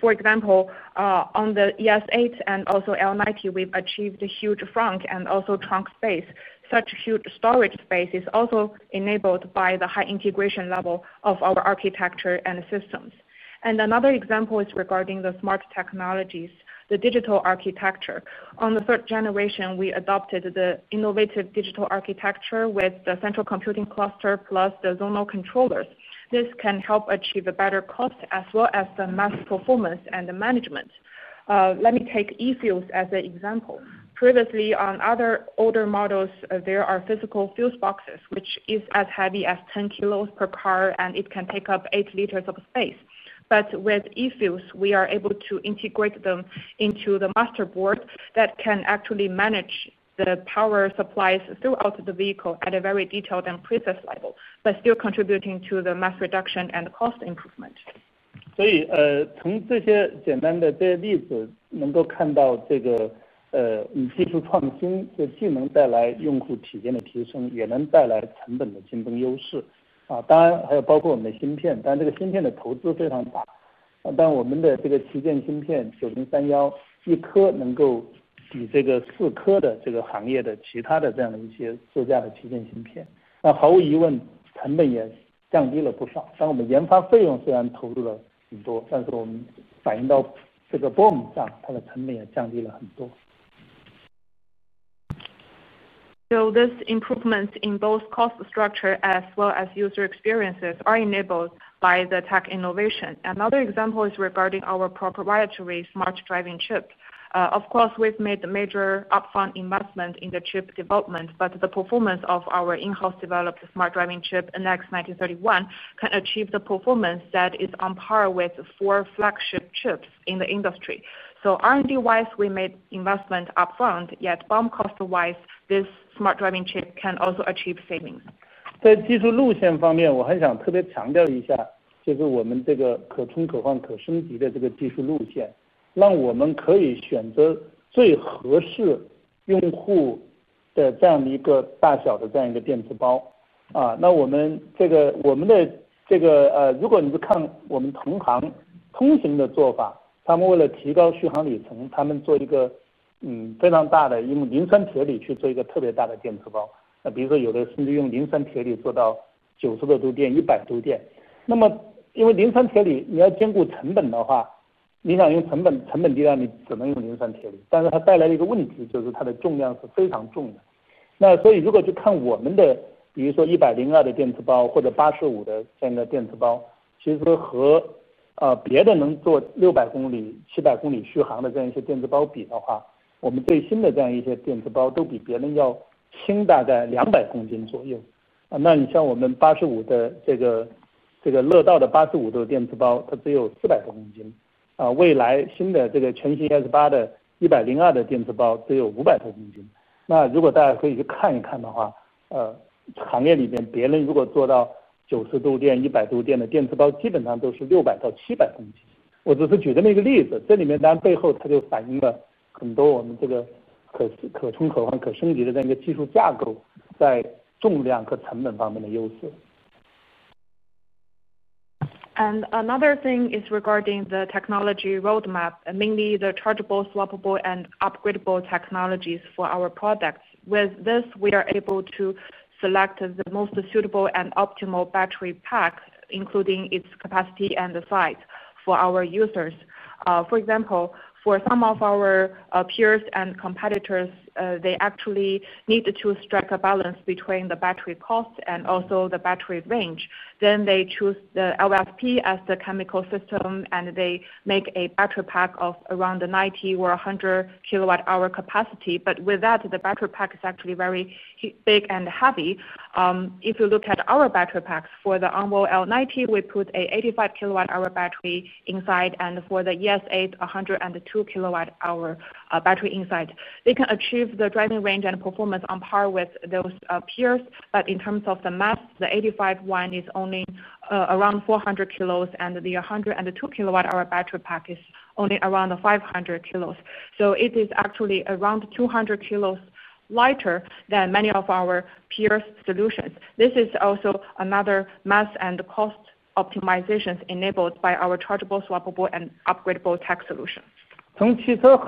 For example, on the ES8 and also L90, we've achieved a huge frunk and also trunk space. Such huge storage space is also enabled by the high integration level of our architecture and systems. Another example is regarding the smart technologies, the digital architecture. On the third generation, we adopted the innovative digital architecture with the central computing cluster plus the zonal controllers. This can help achieve a better cost as well as the mass performance and management. Let me take e-fuses as an example. Previously, on other older models, there are physical fuse boxes, which are as heavy as 10 kilos per car, and it can take up 8 liters of space. With e-fuses, we are able to integrate them into the master board that can actually manage the power supplies throughout the vehicle at a very detailed and precise level, but still contributing to the mass reduction and cost improvement. 从这些简单的例子能够看到与技术创新既能带来用户体验的提升, 也能带来成本的竞争优势, 当然还有包括我们的芯片, 但这个芯片的投资非常大, 但我们的旗舰芯片NX9031一颗能够比四颗行业其他自驾旗舰芯片, 毫无疑问成本也降低了不少。我们研发费用虽然投入了很多, 但是反映到BOM上, 它的成本也降低了很多。This improvement in both cost structure as well as user experiences is enabled by the tech innovation. Another example is regarding our proprietary smart driving chip. Of course, we've made major upfront investment in the chip development, but the performance of our in-house developed smart driving chip, NX9031, can achieve the performance that is on par with four flagship chips in the industry. R&D-wise, we made investment upfront, yet BOM cost-wise, this smart driving chip can also achieve savings. advantages of our chargeable, swappable, and upgradable technical architecture in terms of weight and cost. Another thing is regarding the technology roadmap, mainly the chargeable, swappable, and upgradable technologies for our products. With this, we are able to select the most suitable and optimal battery pack, including its capacity and size for our users. For example, for some of our peers and competitors, they actually need to strike a balance between the battery cost and also the battery range. They choose the LFP as the chemical system, and they make a battery pack of around 90 or 100 kWh capacity. With that, the battery pack is actually very big and heavy. If you look at our battery packs, for the ONVO L90, we put an 85 kWh battery inside, and for the ES8, 102 kWh battery inside. They can achieve the driving range and performance on par with those peers. In terms of the mass, the 85 one is only around 400 kilos, and the 102 kWh battery pack is only around 500 kilos. It is actually around 200 kilos lighter than many of our peer solutions. This is also another mass and cost optimization enabled by our chargeable, swappable, and upgradable tech solution. of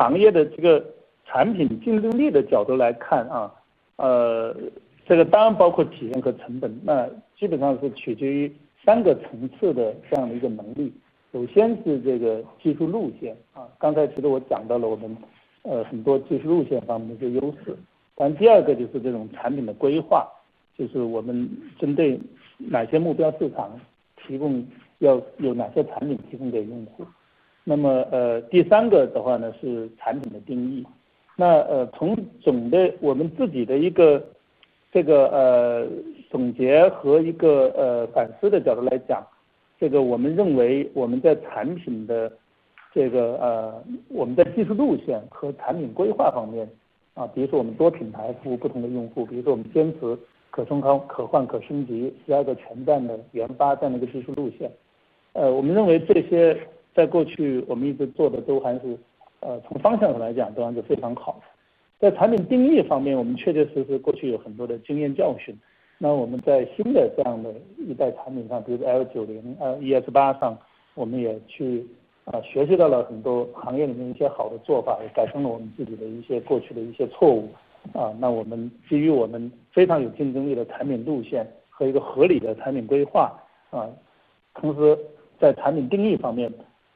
Chinese users, we have achieved the recent market performance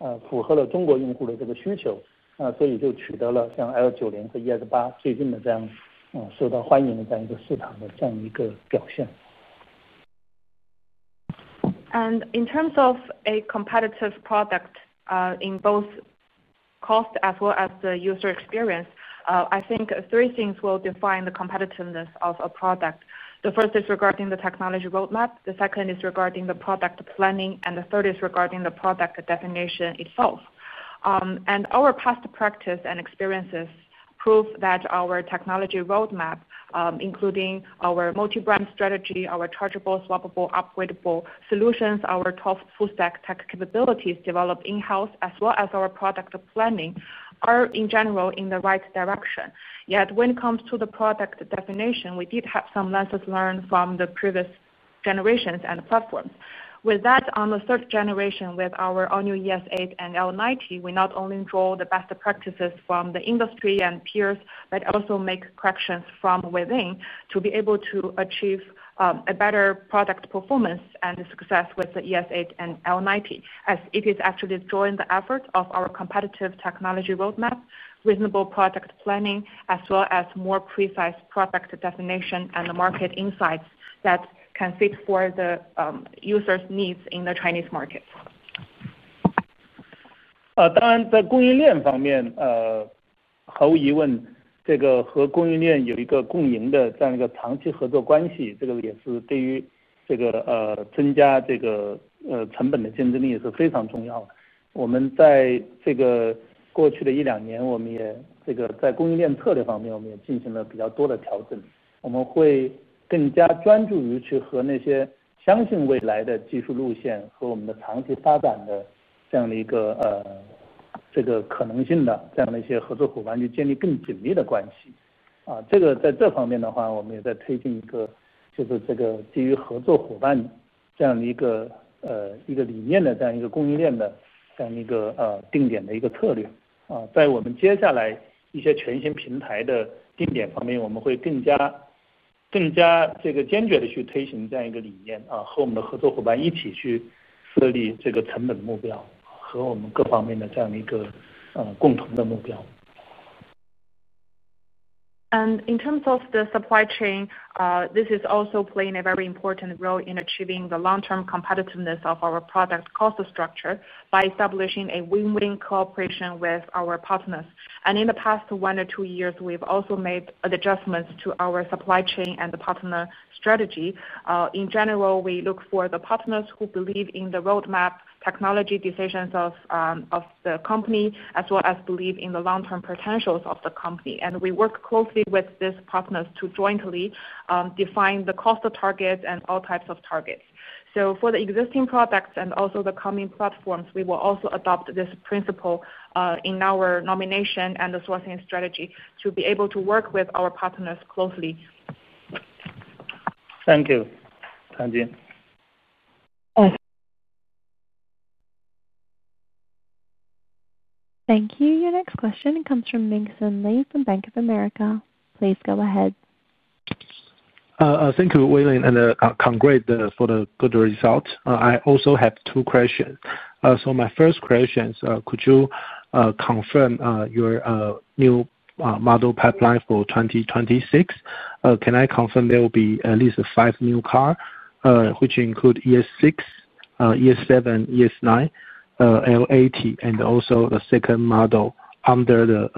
and popularity of the L90 and ES8. In terms of a competitive product, in both cost as well as the user experience, I think three things will define the competitiveness of a product. The first is regarding the technology roadmap, the second is regarding the product planning, and the third is regarding the product definition itself. Our past practice and experiences prove that our technology roadmap, including our multi-brand strategy, our chargeable, swappable, upgradable solutions, our tough full stack tech capabilities developed in-house, as well as our product planning, are in general in the right direction. Yet when it comes to the product definition, we did have some lessons learned from the previous generations and platforms. With that, on the third generation with our all-new ES8 and L90, we not only draw the best practices from the industry and peers, but also make corrections from within to be able to achieve a better product performance and success with the ES8 and L90, as it is actually drawing the effort of our competitive technology roadmap, reasonable product planning, as well as more precise product definition and the market insights that can fit for the users' needs in the Chinese market. terms of the supply chain, this is also playing a very important role in achieving the long-term competitiveness of our product cost structure by establishing a win-win cooperation with our partners. In the past one or two years, we've also made adjustments to our supply chain and the partner strategy. In general, we look for the partners who believe in the roadmap, technology decisions of the company, as well as believe in the long-term potentials of the company. We work closely with these partners to jointly define the cost targets and all types of targets. For the existing products and also the coming platforms, we will also adopt this principle in our nomination and the sourcing strategy to be able to work with our partners closely. Thank you. Thank you. Thank you. Your next question comes from Nixon Lee from Bank of America. Please go ahead. Thank you, William, and congrats for the good result. I also have two questions. My first question is, could you confirm your new model pipeline for 2026? Can I confirm there will be at least five new cars, which include ES6, ES7, ES9, L80, and also the second model under the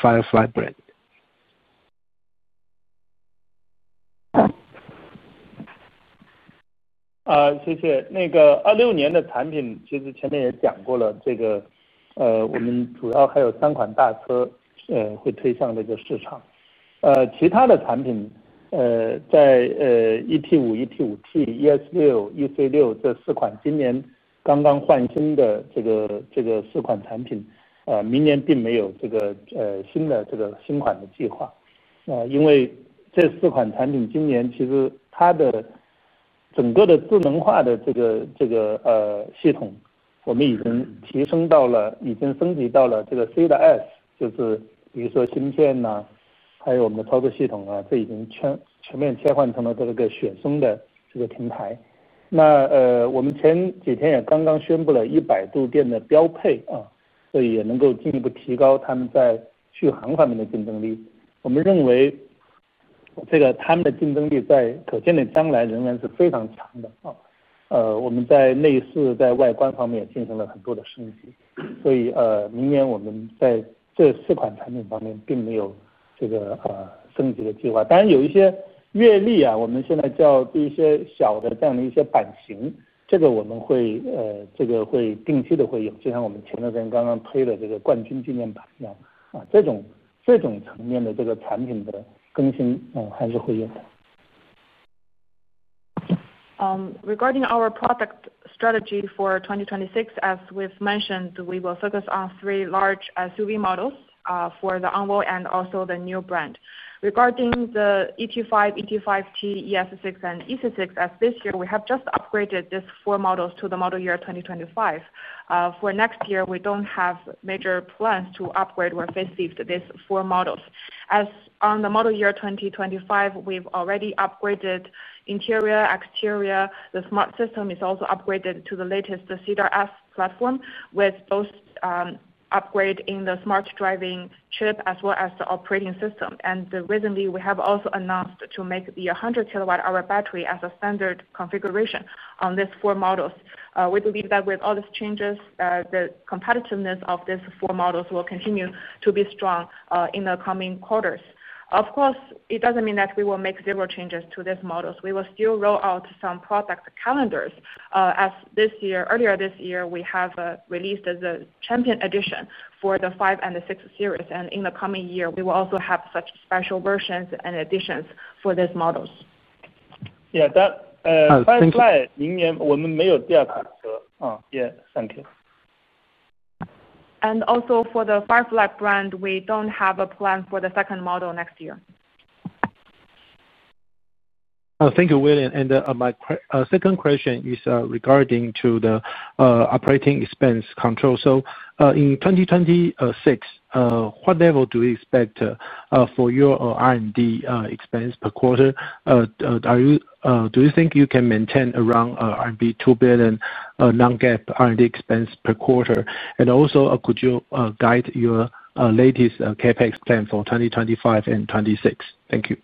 Firefly brand? 谢谢。那个26年的产品其实前面也讲过了, 这个, 我们主要还有三款大车, 会推向这个市场。其他的产品, 在 ET5, ET5 Touring, ES6, EC6这四款今年刚刚换新的, 这四款产品, 明年并没有新的新款的计划。因为这四款产品今年其实它的整个的智能化的系统我们已经提升到了, 已经升级到了C到S, 就是比如说芯片, 还有我们的操作系统, 这已经全面切换成了雪松的平台。我们前几天也刚刚宣布了100度电的标配, 所以也能够进一步提高他们在续航方面的竞争力。我们认为他们的竞争力在可见的将来仍然是非常强的。我们在内饰, 在外观方面也进行了很多的升级, 所以, 明年我们在这四款产品方面并没有升级的计划。当然有一些阅历, 我们现在交的一些小的这样的一些版型, 这个会定期的会有, 就像我们前两天刚刚推的冠军纪念版一样。这种层面的产品的更新, 还是会有的。Regarding our product strategy for 2026, as we've mentioned, we will focus on three large SUV models, for the ONVO and also the new brand. Regarding the ET5, ET5 T, ES6, and EC6, as this year we have just upgraded these four models to the model year 2025, for next year we don't have major plans to upgrade or facelift these four models. As on the model year 2025, we've already upgraded interior, exterior, the smart system is also upgraded to the latest C to S platform with both, upgrades in the smart driving chip as well as the operating system. We have also announced to make the 100 kWh battery as a standard configuration on these four models. We believe that with all these changes, the competitiveness of these four models will continue to be strong in the coming quarters. Of course, it doesn't mean that we will make zero changes to these models. We will still roll out some product calendars, as earlier this year we have released the Champion Edition for the five and the six series. In the coming year, we will also have such special versions and editions for these models. Yeah, that's clear. 我们没有第二款车，也三天。For the Firefly Brand, we don't have a plan for the second model next year. Thank you, William. My second question is regarding the operating expense control. In 2026, what level do you expect for your R&D expense per quarter? Do you think you can maintain around R&D $2 billion non-GAAP R&D expense per quarter? Also, could you guide your latest CapEx plan for 2025 and 2026? Thank you.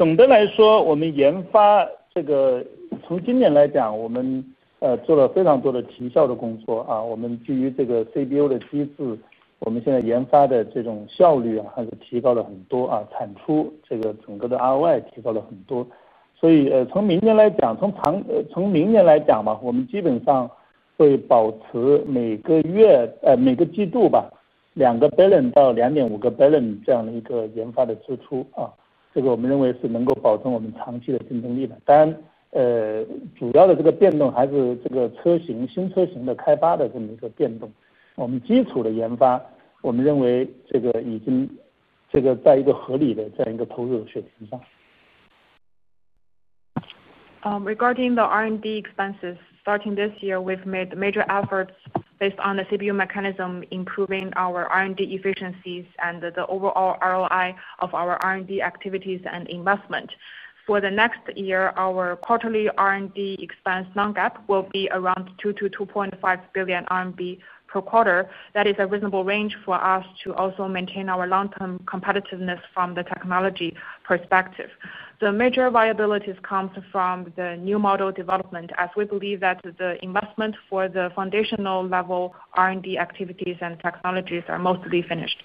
总的来说, 我们研发这个从今年来讲, 我们做了非常多的提效的工作, 我们基于这个CBO的机制, 我们现在研发的这种效率还是提高了很多, 产出这个整个的RY提高了很多。所以从明年来讲, 从从明年来讲, 我们基本上会保持每个月, 每个季度吧, $2 billion到$2.5 billion这样的一个研发的支出, 这个我们认为是能够保证我们长期的竞争力的。当然, 主要的这个变动还是这个车型, 新车型的开发的这么一个变动。我们基础的研发, 我们认为这个已经在一个合理的这样一个投入的水平。Regarding the R&D expenses, starting this year, we've made major efforts based on the CPU mechanism, improving our R&D efficiencies and the overall ROI of our R&D activities and investment. For the next year, our quarterly R&D expense non-GAAP will be around 2 billion-2.5 billion RMB per quarter. That is a reasonable range for us to also maintain our long-term competitiveness from the technology perspective. The major viabilities come from the new model development, as we believe that the investment for the foundational level R&D activities and technologies are mostly finished.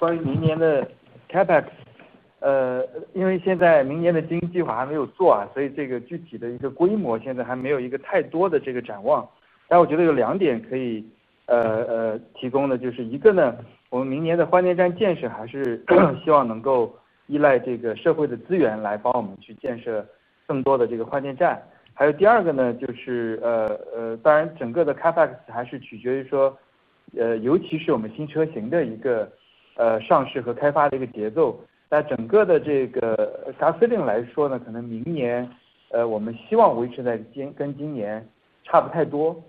关于明年的 CapEx，因为现在明年的经济好像没有做，所以这个具体的一个规模现在还没有一个太多的展望。我觉得有两点可以提供的，就是一个呢，我们明年的换电站建设还是希望能够依赖社会的资源来帮我们去建设更多的换电站。还有第二个呢，当然整个的 CapEx 还是取决于，尤其是我们新车型的上市和开发的节奏。那整个的 gas feeling 来说呢，可能明年我们希望维持在跟今年差不太多的这样的一个水平，当然我们说看看有没有机会能够控制得比今年还要更低一些。当然这也取决于，尤其是我们新车型的开发的节奏和产能的一些节奏。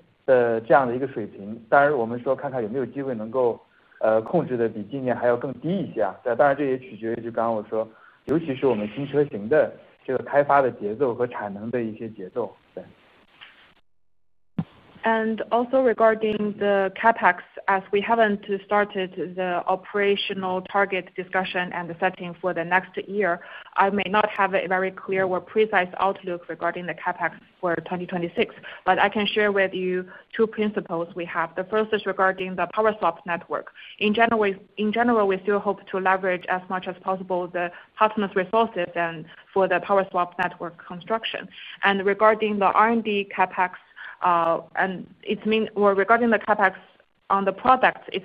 Regarding the CAPEX, as we haven't started the operational target discussion and the setting for next year, I may not have a very clear or precise outlook regarding the CAPEX for 2026, but I can share with you two principles we have. The first is regarding the power swap network. In general, we still hope to leverage as much as possible the customer's resources for the power swap network construction. Regarding the R&D CAPEX, it's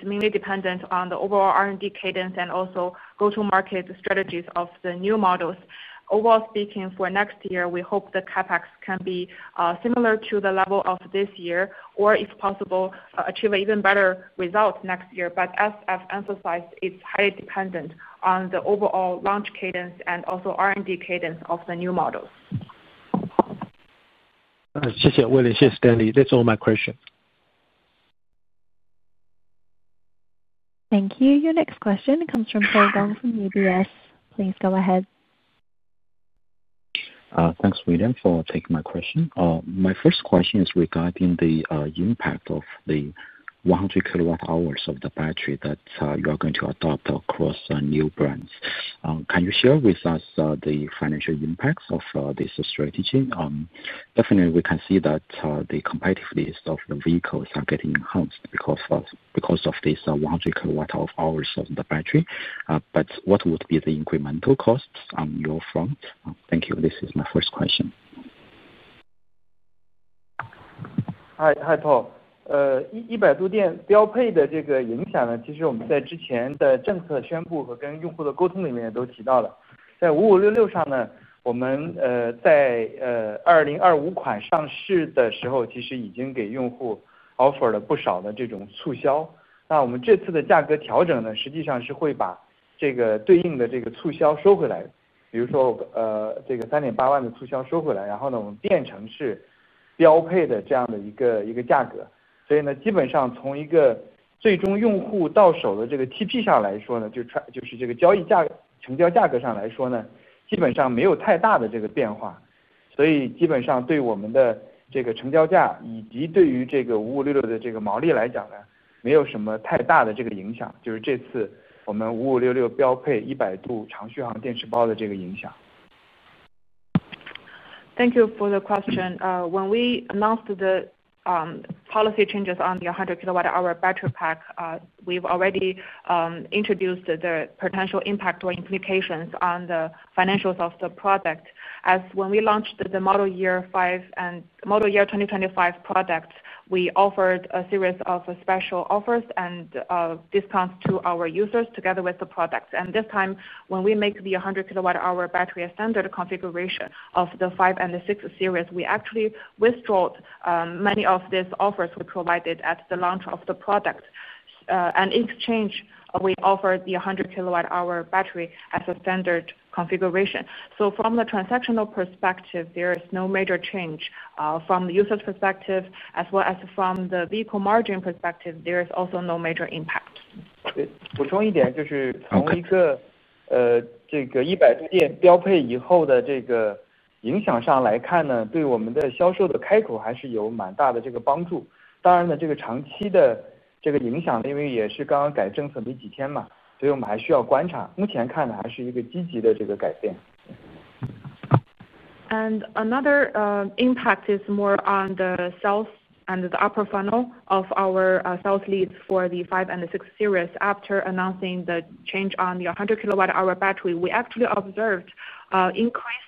mainly dependent on the overall R&D cadence and also go-to-market strategies of the new models. Overall speaking, for next year, we hope the CAPEX can be similar to the level of this year, or if possible, achieve an even better result next year. As I've emphasized, it's highly dependent on the overall launch cadence and also R&D cadence of the new models. you. Thank you. Thank you. Thank you. Thank you. Your next question comes from Paul Gong from UBS. Please go ahead. Thanks, William, for taking my question. My first question is regarding the impact of the 100 kWh of the battery that we are going to adopt across new brands. Can you share with us the financial impacts of this strategy? Definitely, we can see that the competitiveness of the vehicles are getting enhanced because of this 100 kWh of the battery. What would be the incremental costs on your front? Thank you. This is my first question. the gross margin for the 5566. This is the impact of making the 100 kWh long-range battery pack standard on the 5566. Thank you for the question. When we announced the policy changes on the 100 kWh battery pack, we've already introduced the potential impact or implications on the financials of the product. As when we launched the model year five and model year 2025 product, we offered a series of special offers and discounts to our users together with the products. This time, when we make the 100 kilowatt-hour battery a standard configuration of the five and the six series, we actually withdraw many of these offers we provided at the launch of the product. In exchange, we offered the 100 kWh battery as a standard configuration. From the transactional perspective, there is no major change. From the user's perspective, as well as from the vehicle margin perspective, there is also no major impact. 补充一点就是从一个100度电标配以后的这个影响上来看呢，对我们的销售的开口还是有蛮大的这个帮助。当然，这个长期的影响呢，因为也是刚刚改政策没几天嘛，所以我们还需要观察，目前看还是一个积极的改变。Another impact is more on the sales and the upper funnel of our sales leads for the five and the six series. After announcing the change on the 100 kWh battery, we actually observed increases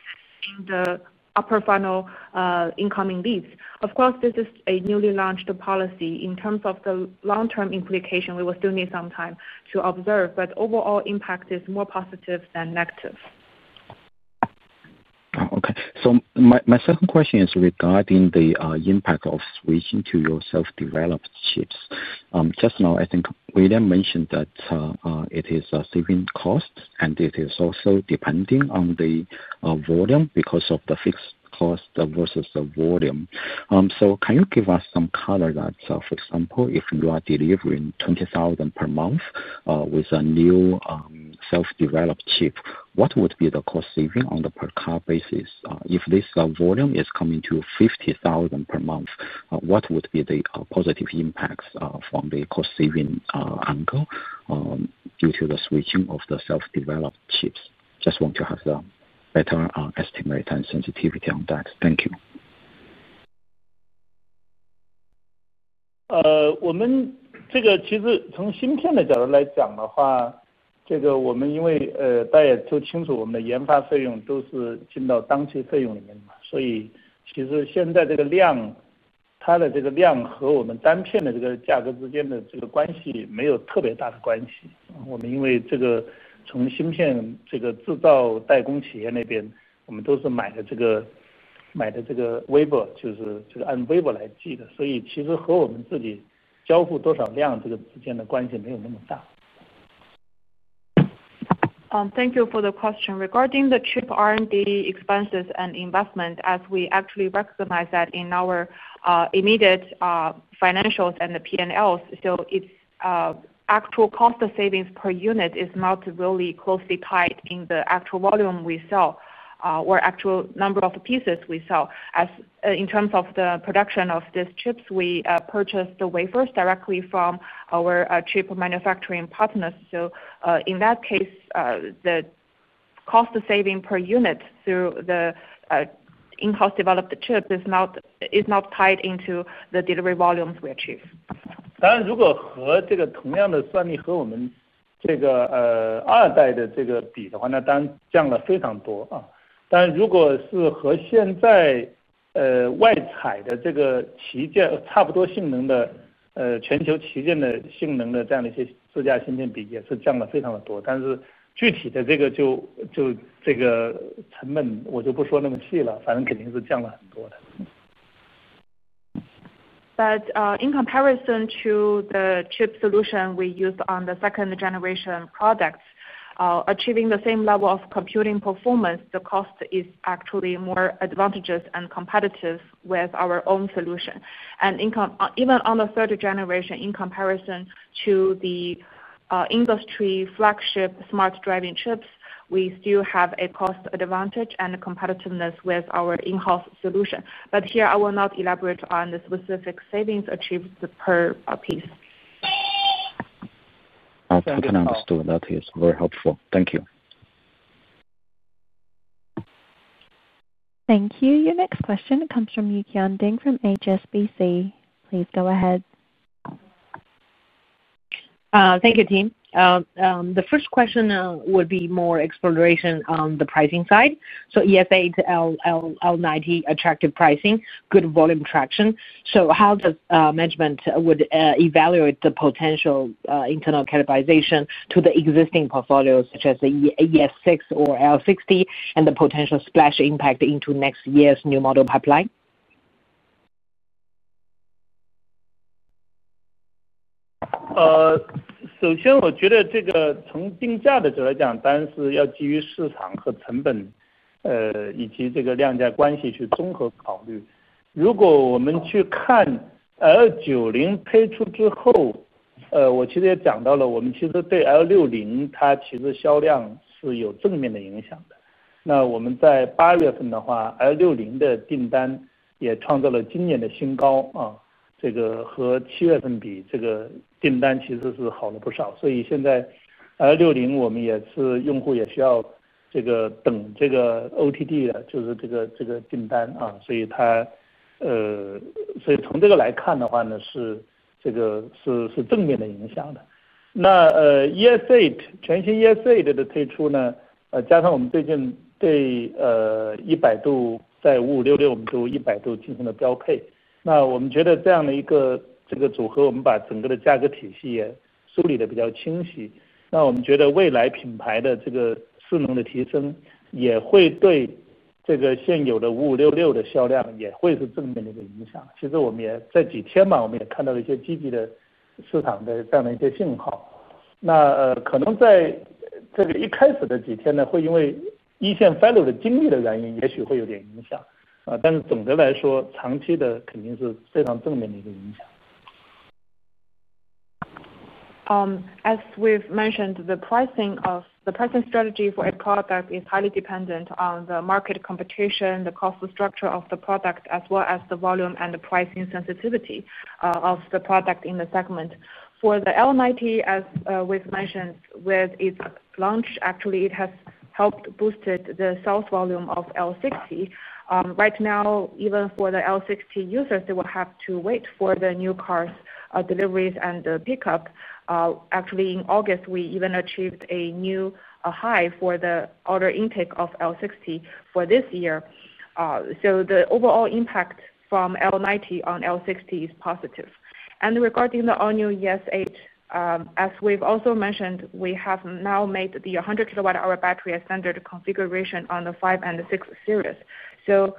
in the upper funnel incoming leads. Of course, this is a newly launched policy. In terms of the long-term implication, we will still need some time to observe. Overall impact is more positive than negative. Okay. My second question is regarding the impact of switching to your self-developed chips. I think William mentioned that it is saving cost, and it is also depending on the volume because of the fixed cost versus the volume. Can you give us some color that, for example, if you are delivering 20,000 per month with a new self-developed chip, what would be the cost saving on the per car basis? If this volume is coming to 50,000 per month, what would be the positive impacts from the cost-saving angle due to the switching of the self-developed chips? I just want to have a better estimate and sensitivity on that. Thank you. deliver ourselves and this is not that significant. Thank you for the question. Regarding the chip R&D expenses and investment, as we actually recognize that in our immediate financials and the P&Ls, its actual cost of savings per unit is not really closely tied in the actual volume we sell or actual number of pieces we sell. In terms of the production of these chips, we purchase the wafers directly from our chip manufacturing partners. In that case, the cost of saving per unit through the in-house developed chip is not tied into the delivery volumes we achieve. 当然如果和这个同样的算力和我们这个二代的这个比的话，那当然降了非常多。当然如果是和现在外彩的这个旗舰差不多性能的全球旗舰的性能的这样的一些自家芯片比也是降了非常的多，但是具体的这个就这个成本我就不说那么细了，反正肯定是降了很多的。In comparison to the chip solution we use on the second-generation products, achieving the same level of computing performance, the cost is actually more advantageous and competitive with our own solution. Even on the Third Generation, in comparison to the industry flagship smart driving chips, we still have a cost advantage and competitiveness with our in-house solution. Here I will not elaborate on the specific savings achieved per piece. I can understand that. It's very helpful. Thank you. Thank you. Your next question comes from Yuqian Ding from HSBC. Please go ahead. Thank you, team. The first question would be more exploration on the pricing side. ES8, L90, attractive pricing, good volume traction. How does management evaluate the potential internal capitalization to the existing portfolio, such as the ES6 or L60, and the potential splash impact into next year's new model pipeline? As we've mentioned, the pricing strategy for a product is highly dependent on the market competition, the cost structure of the product, as well as the volume and the pricing sensitivity of the product in the segment. For the L90, as we've mentioned, with its launch, it has helped boost the sales volume of L60. Right now, even for the L60 users, they will have to wait for the new cars' deliveries and the pickup. Actually, in August, we even achieved a new high for the order intake of L60 for this year. The overall impact from L90 on L60 is positive. Regarding the all-new ES8, as we've also mentioned, we have now made the 100 kWh battery a standard configuration on the five and the six series. The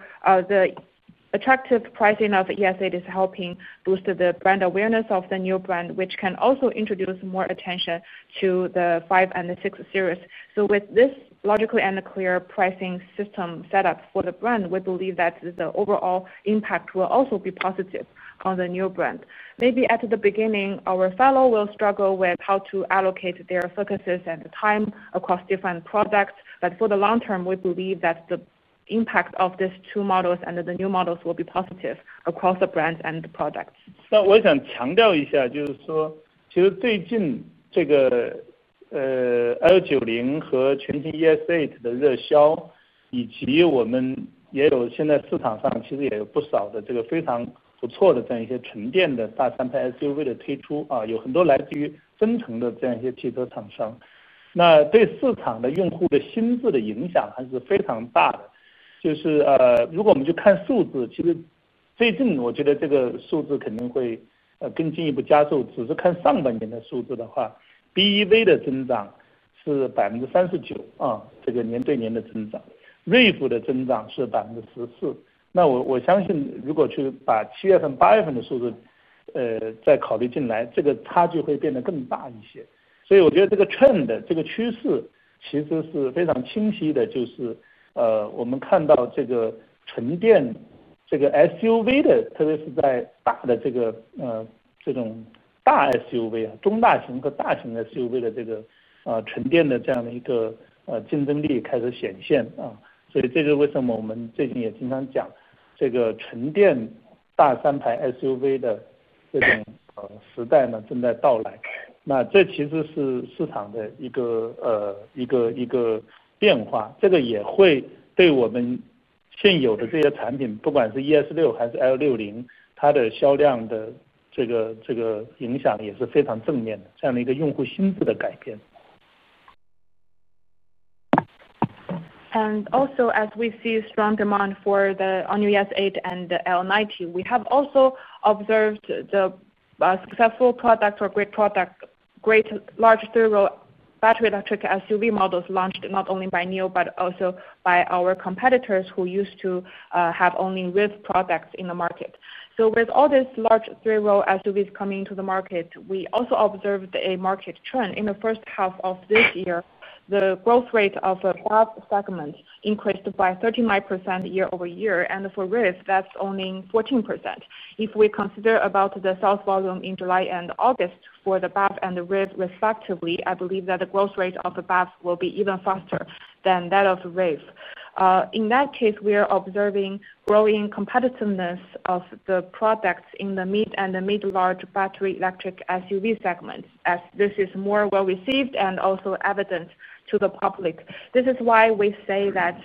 attractive pricing of ES8 is helping boost the brand awareness of the new brand, which can also introduce more attention to the five and the six series. With this logical and clear pricing system set up for the brand, we believe that the overall impact will also be positive on the new brand. Maybe at the beginning, our fellow will struggle with how to allocate their focuses and time across different products. For the long term, we believe that the impact of these two models and the new models will be positive across the brands and the products. is arriving. This is a change in the market, and it will have a very positive impact on the sales of our existing products, whether it is the ES6 or the L60. This change in user perception is very positive. As we see strong demand for the all-new ES8 and the L90, we have also observed the successful product, great large three-row battery electric SUV models launched not only by NIO, but also by our competitors who used to have only REV products in the market. With all these large three-row SUVs coming into the market, we also observed a market trend. In the first half of this year, the growth rate of the BEV segment increased by 39% year-over-year. For REV, that's only 14%. If we consider the sales volume in July and August for the BEV and REV respectively, I believe that the growth rate of the BEV will be even faster than that of REV. In that case, we are observing growing competitiveness of the products in the mid and the mid-large battery electric SUV segment, as this is more well received and also evident to the public. This is why we say that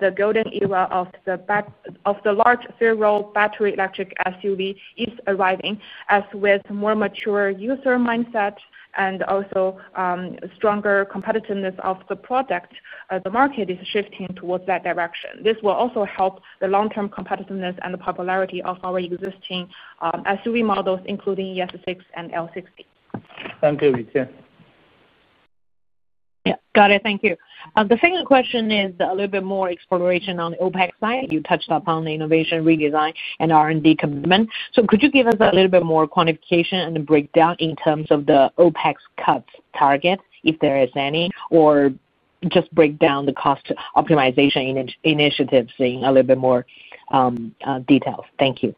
the golden era of the large three-row battery electric SUV is arriving, as with more mature user mindset and also stronger competitiveness of the product, the market is shifting towards that direction. This will also help the long-term competitiveness and the popularity of our existing SUV models, including ES6 and L90. 感谢, 雨天。Yeah, got it. Thank you. The second question is a little bit more exploration on the OpEx side. You touched upon the innovation, redesign, and R&D commitment. Could you give us a little bit more quantification and breakdown in terms of the OpEx cuts targets, if there is any, or just break down the cost optimization initiatives in a little bit more detail? Thank you.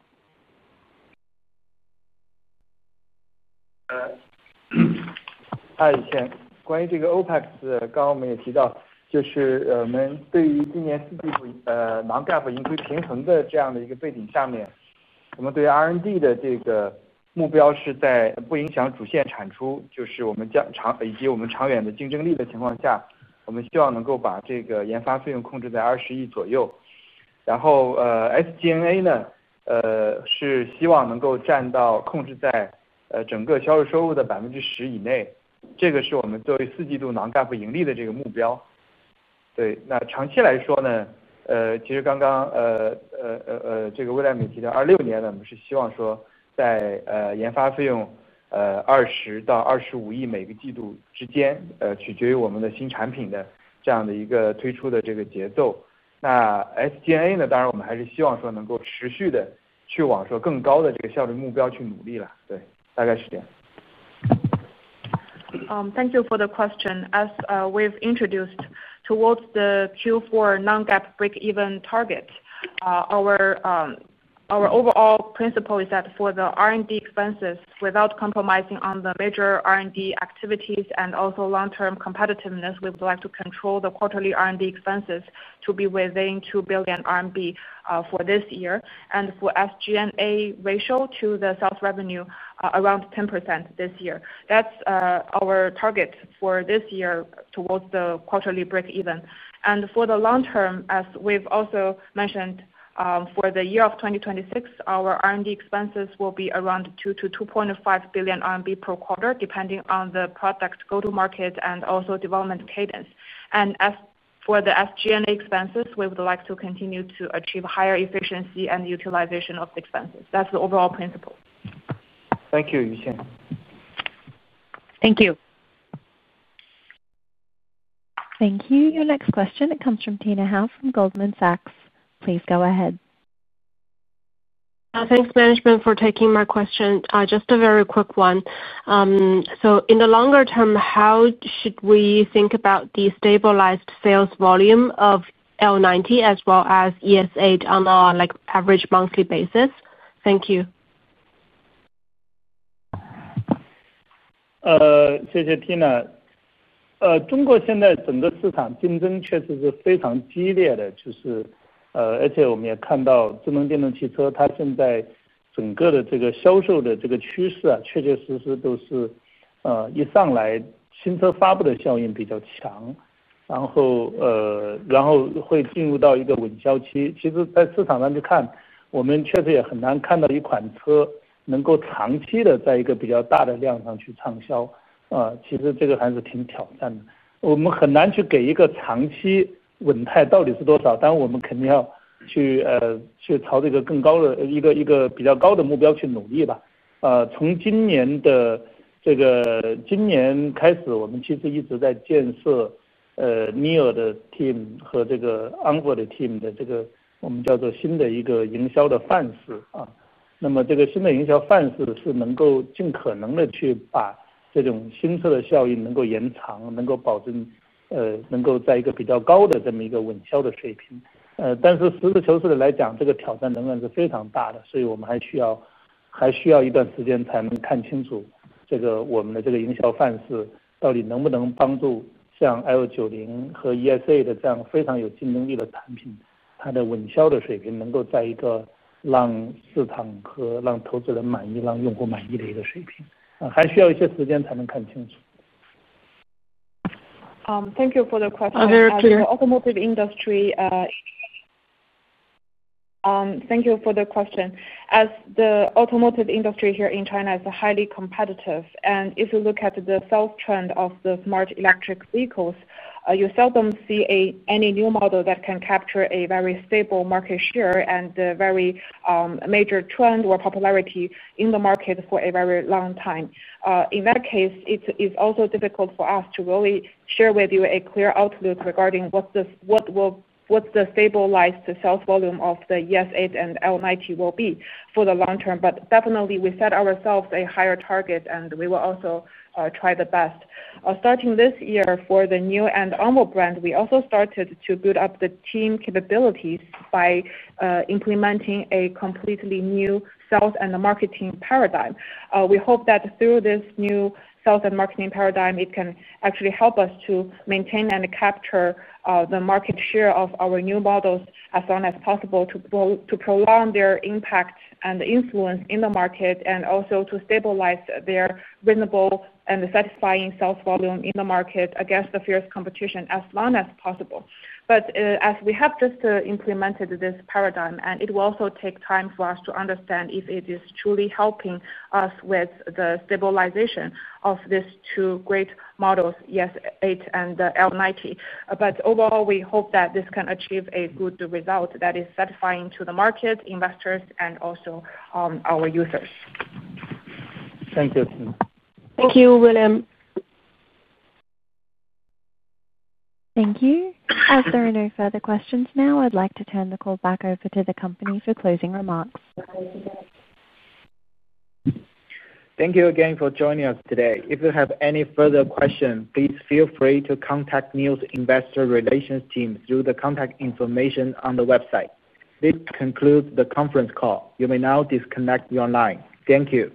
当然, 关于这个OPEC的刚刚我们也提到, 就是我们对于今年四季度 non-GAAP盈亏平衡的这样的一个背景下面, 我们对R&D的这个目标是在不影响主线产出, 就是我们长以及我们长远的竞争力的情况下, 我们希望能够把这个研发费用控制在¥2.0 billion左右。然后 SG&A呢, 是希望能够占到控制在整个销售收入的10%以内, 这个是我们作为四季度non-GAAP盈利的这个目标。对, 那长期来说呢, 其实刚刚这个William也提到2026年了, 我们是希望说在研发费用¥2.0到¥2.5 billion每个季度之间, 取决于我们的新产品的这样的一个推出的这个节奏。那SG&A呢, 当然我们还是希望说能够持续的去往说更高的这个效率目标去努力了。对, 大概是这样。Thank you for the question. As we've introduced towards the Q4 non-GAAP break-even target, our overall principle is that for the R&D expenses, without compromising on the major R&D activities and also long-term competitiveness, we would like to control the quarterly R&D expenses to be within 2 billion RMB for this year. For SG&A ratio to the sales revenue, around 10% this year. That's our target for this year towards the quarterly break-even. For the long term, as we've also mentioned, for the year of 2026, our R&D expenses will be around 2 billion-2.5 billion RMB per quarter, depending on the product's go-to-market and also development cadence. For the SG&A expenses, we would like to continue to achieve higher efficiency and utilization of expenses. That's the overall principle. Thank you, Rui Chen. Thank you. Thank you. Your next question comes from Tina Hou from Goldman Sachs. Please go ahead. Thanks, management, for taking my question. Just a very quick one. In the longer term, how should we think about the stabilized sales volume of L90 as well as ES8 on an average monthly basis? Thank you. 谢谢, Tina。中国现在整个市场竞争确实是非常激烈的, 而且我们也看到智能电动汽车它现在整个的销售的趋势确确实实都是一上来新车发布的效应比较强, 然后会进入到一个稳销期。其实在市场上去看, 我们确实也很难看到一款车能够长期的在一个比较大的量上去畅销, 其实这个还是挺挑战的。我们很难去给一个长期稳态到底是多少, 这个挑战仍然是非常大的, 所以我们还需要一段时间才能看清楚我们的这个营销范式到底能不能帮助像L90和ES6的这样非常有竞争力的产品, 它的稳销的水平能够在一个让市场和让投资人满意、让用户满意的一个水平, 还需要一些时间才能看清楚。Thank you for the question. For the automotive industry, thank you for the question. As the automotive industry here in China is highly competitive, if you look at the sales trend of the smart electric vehicles, you seldom see any new model that can capture a very stable market share and a very major trend or popularity in the market for a very long time. In that case, it is also difficult for us to really share with you a clear outlook regarding what the stabilized sales volume of the ES8 and L90 will be for the long term. We definitely set ourselves a higher target, and we will also try the best. Starting this year for the new and ONVO brand, we also started to build up the team capabilities by implementing a completely new sales and marketing paradigm. We hope that through this new sales and marketing paradigm, it can actually help us to maintain and capture the market share of our new models as long as possible to prolong their impact and influence in the market and also to stabilize their reasonable and satisfying sales volume in the market against the fierce competition as long as possible. As we have just implemented this paradigm, it will also take time for us to understand if it is truly helping us with the stabilization of these two great models, ES8 and L90. Overall, we hope that this can achieve a good result that is satisfying to the market, investors, and also our users. Thank you, Tina. Thank you, William. Thank you. As there are no further questions now, I'd like to turn the call back over to the company for closing remarks. Thank you again for joining us today. If you have any further questions, please feel free to contact NIO's Investor Relations Team through the contact information on the website. This concludes the conference call. You may now disconnect your line. Thank you.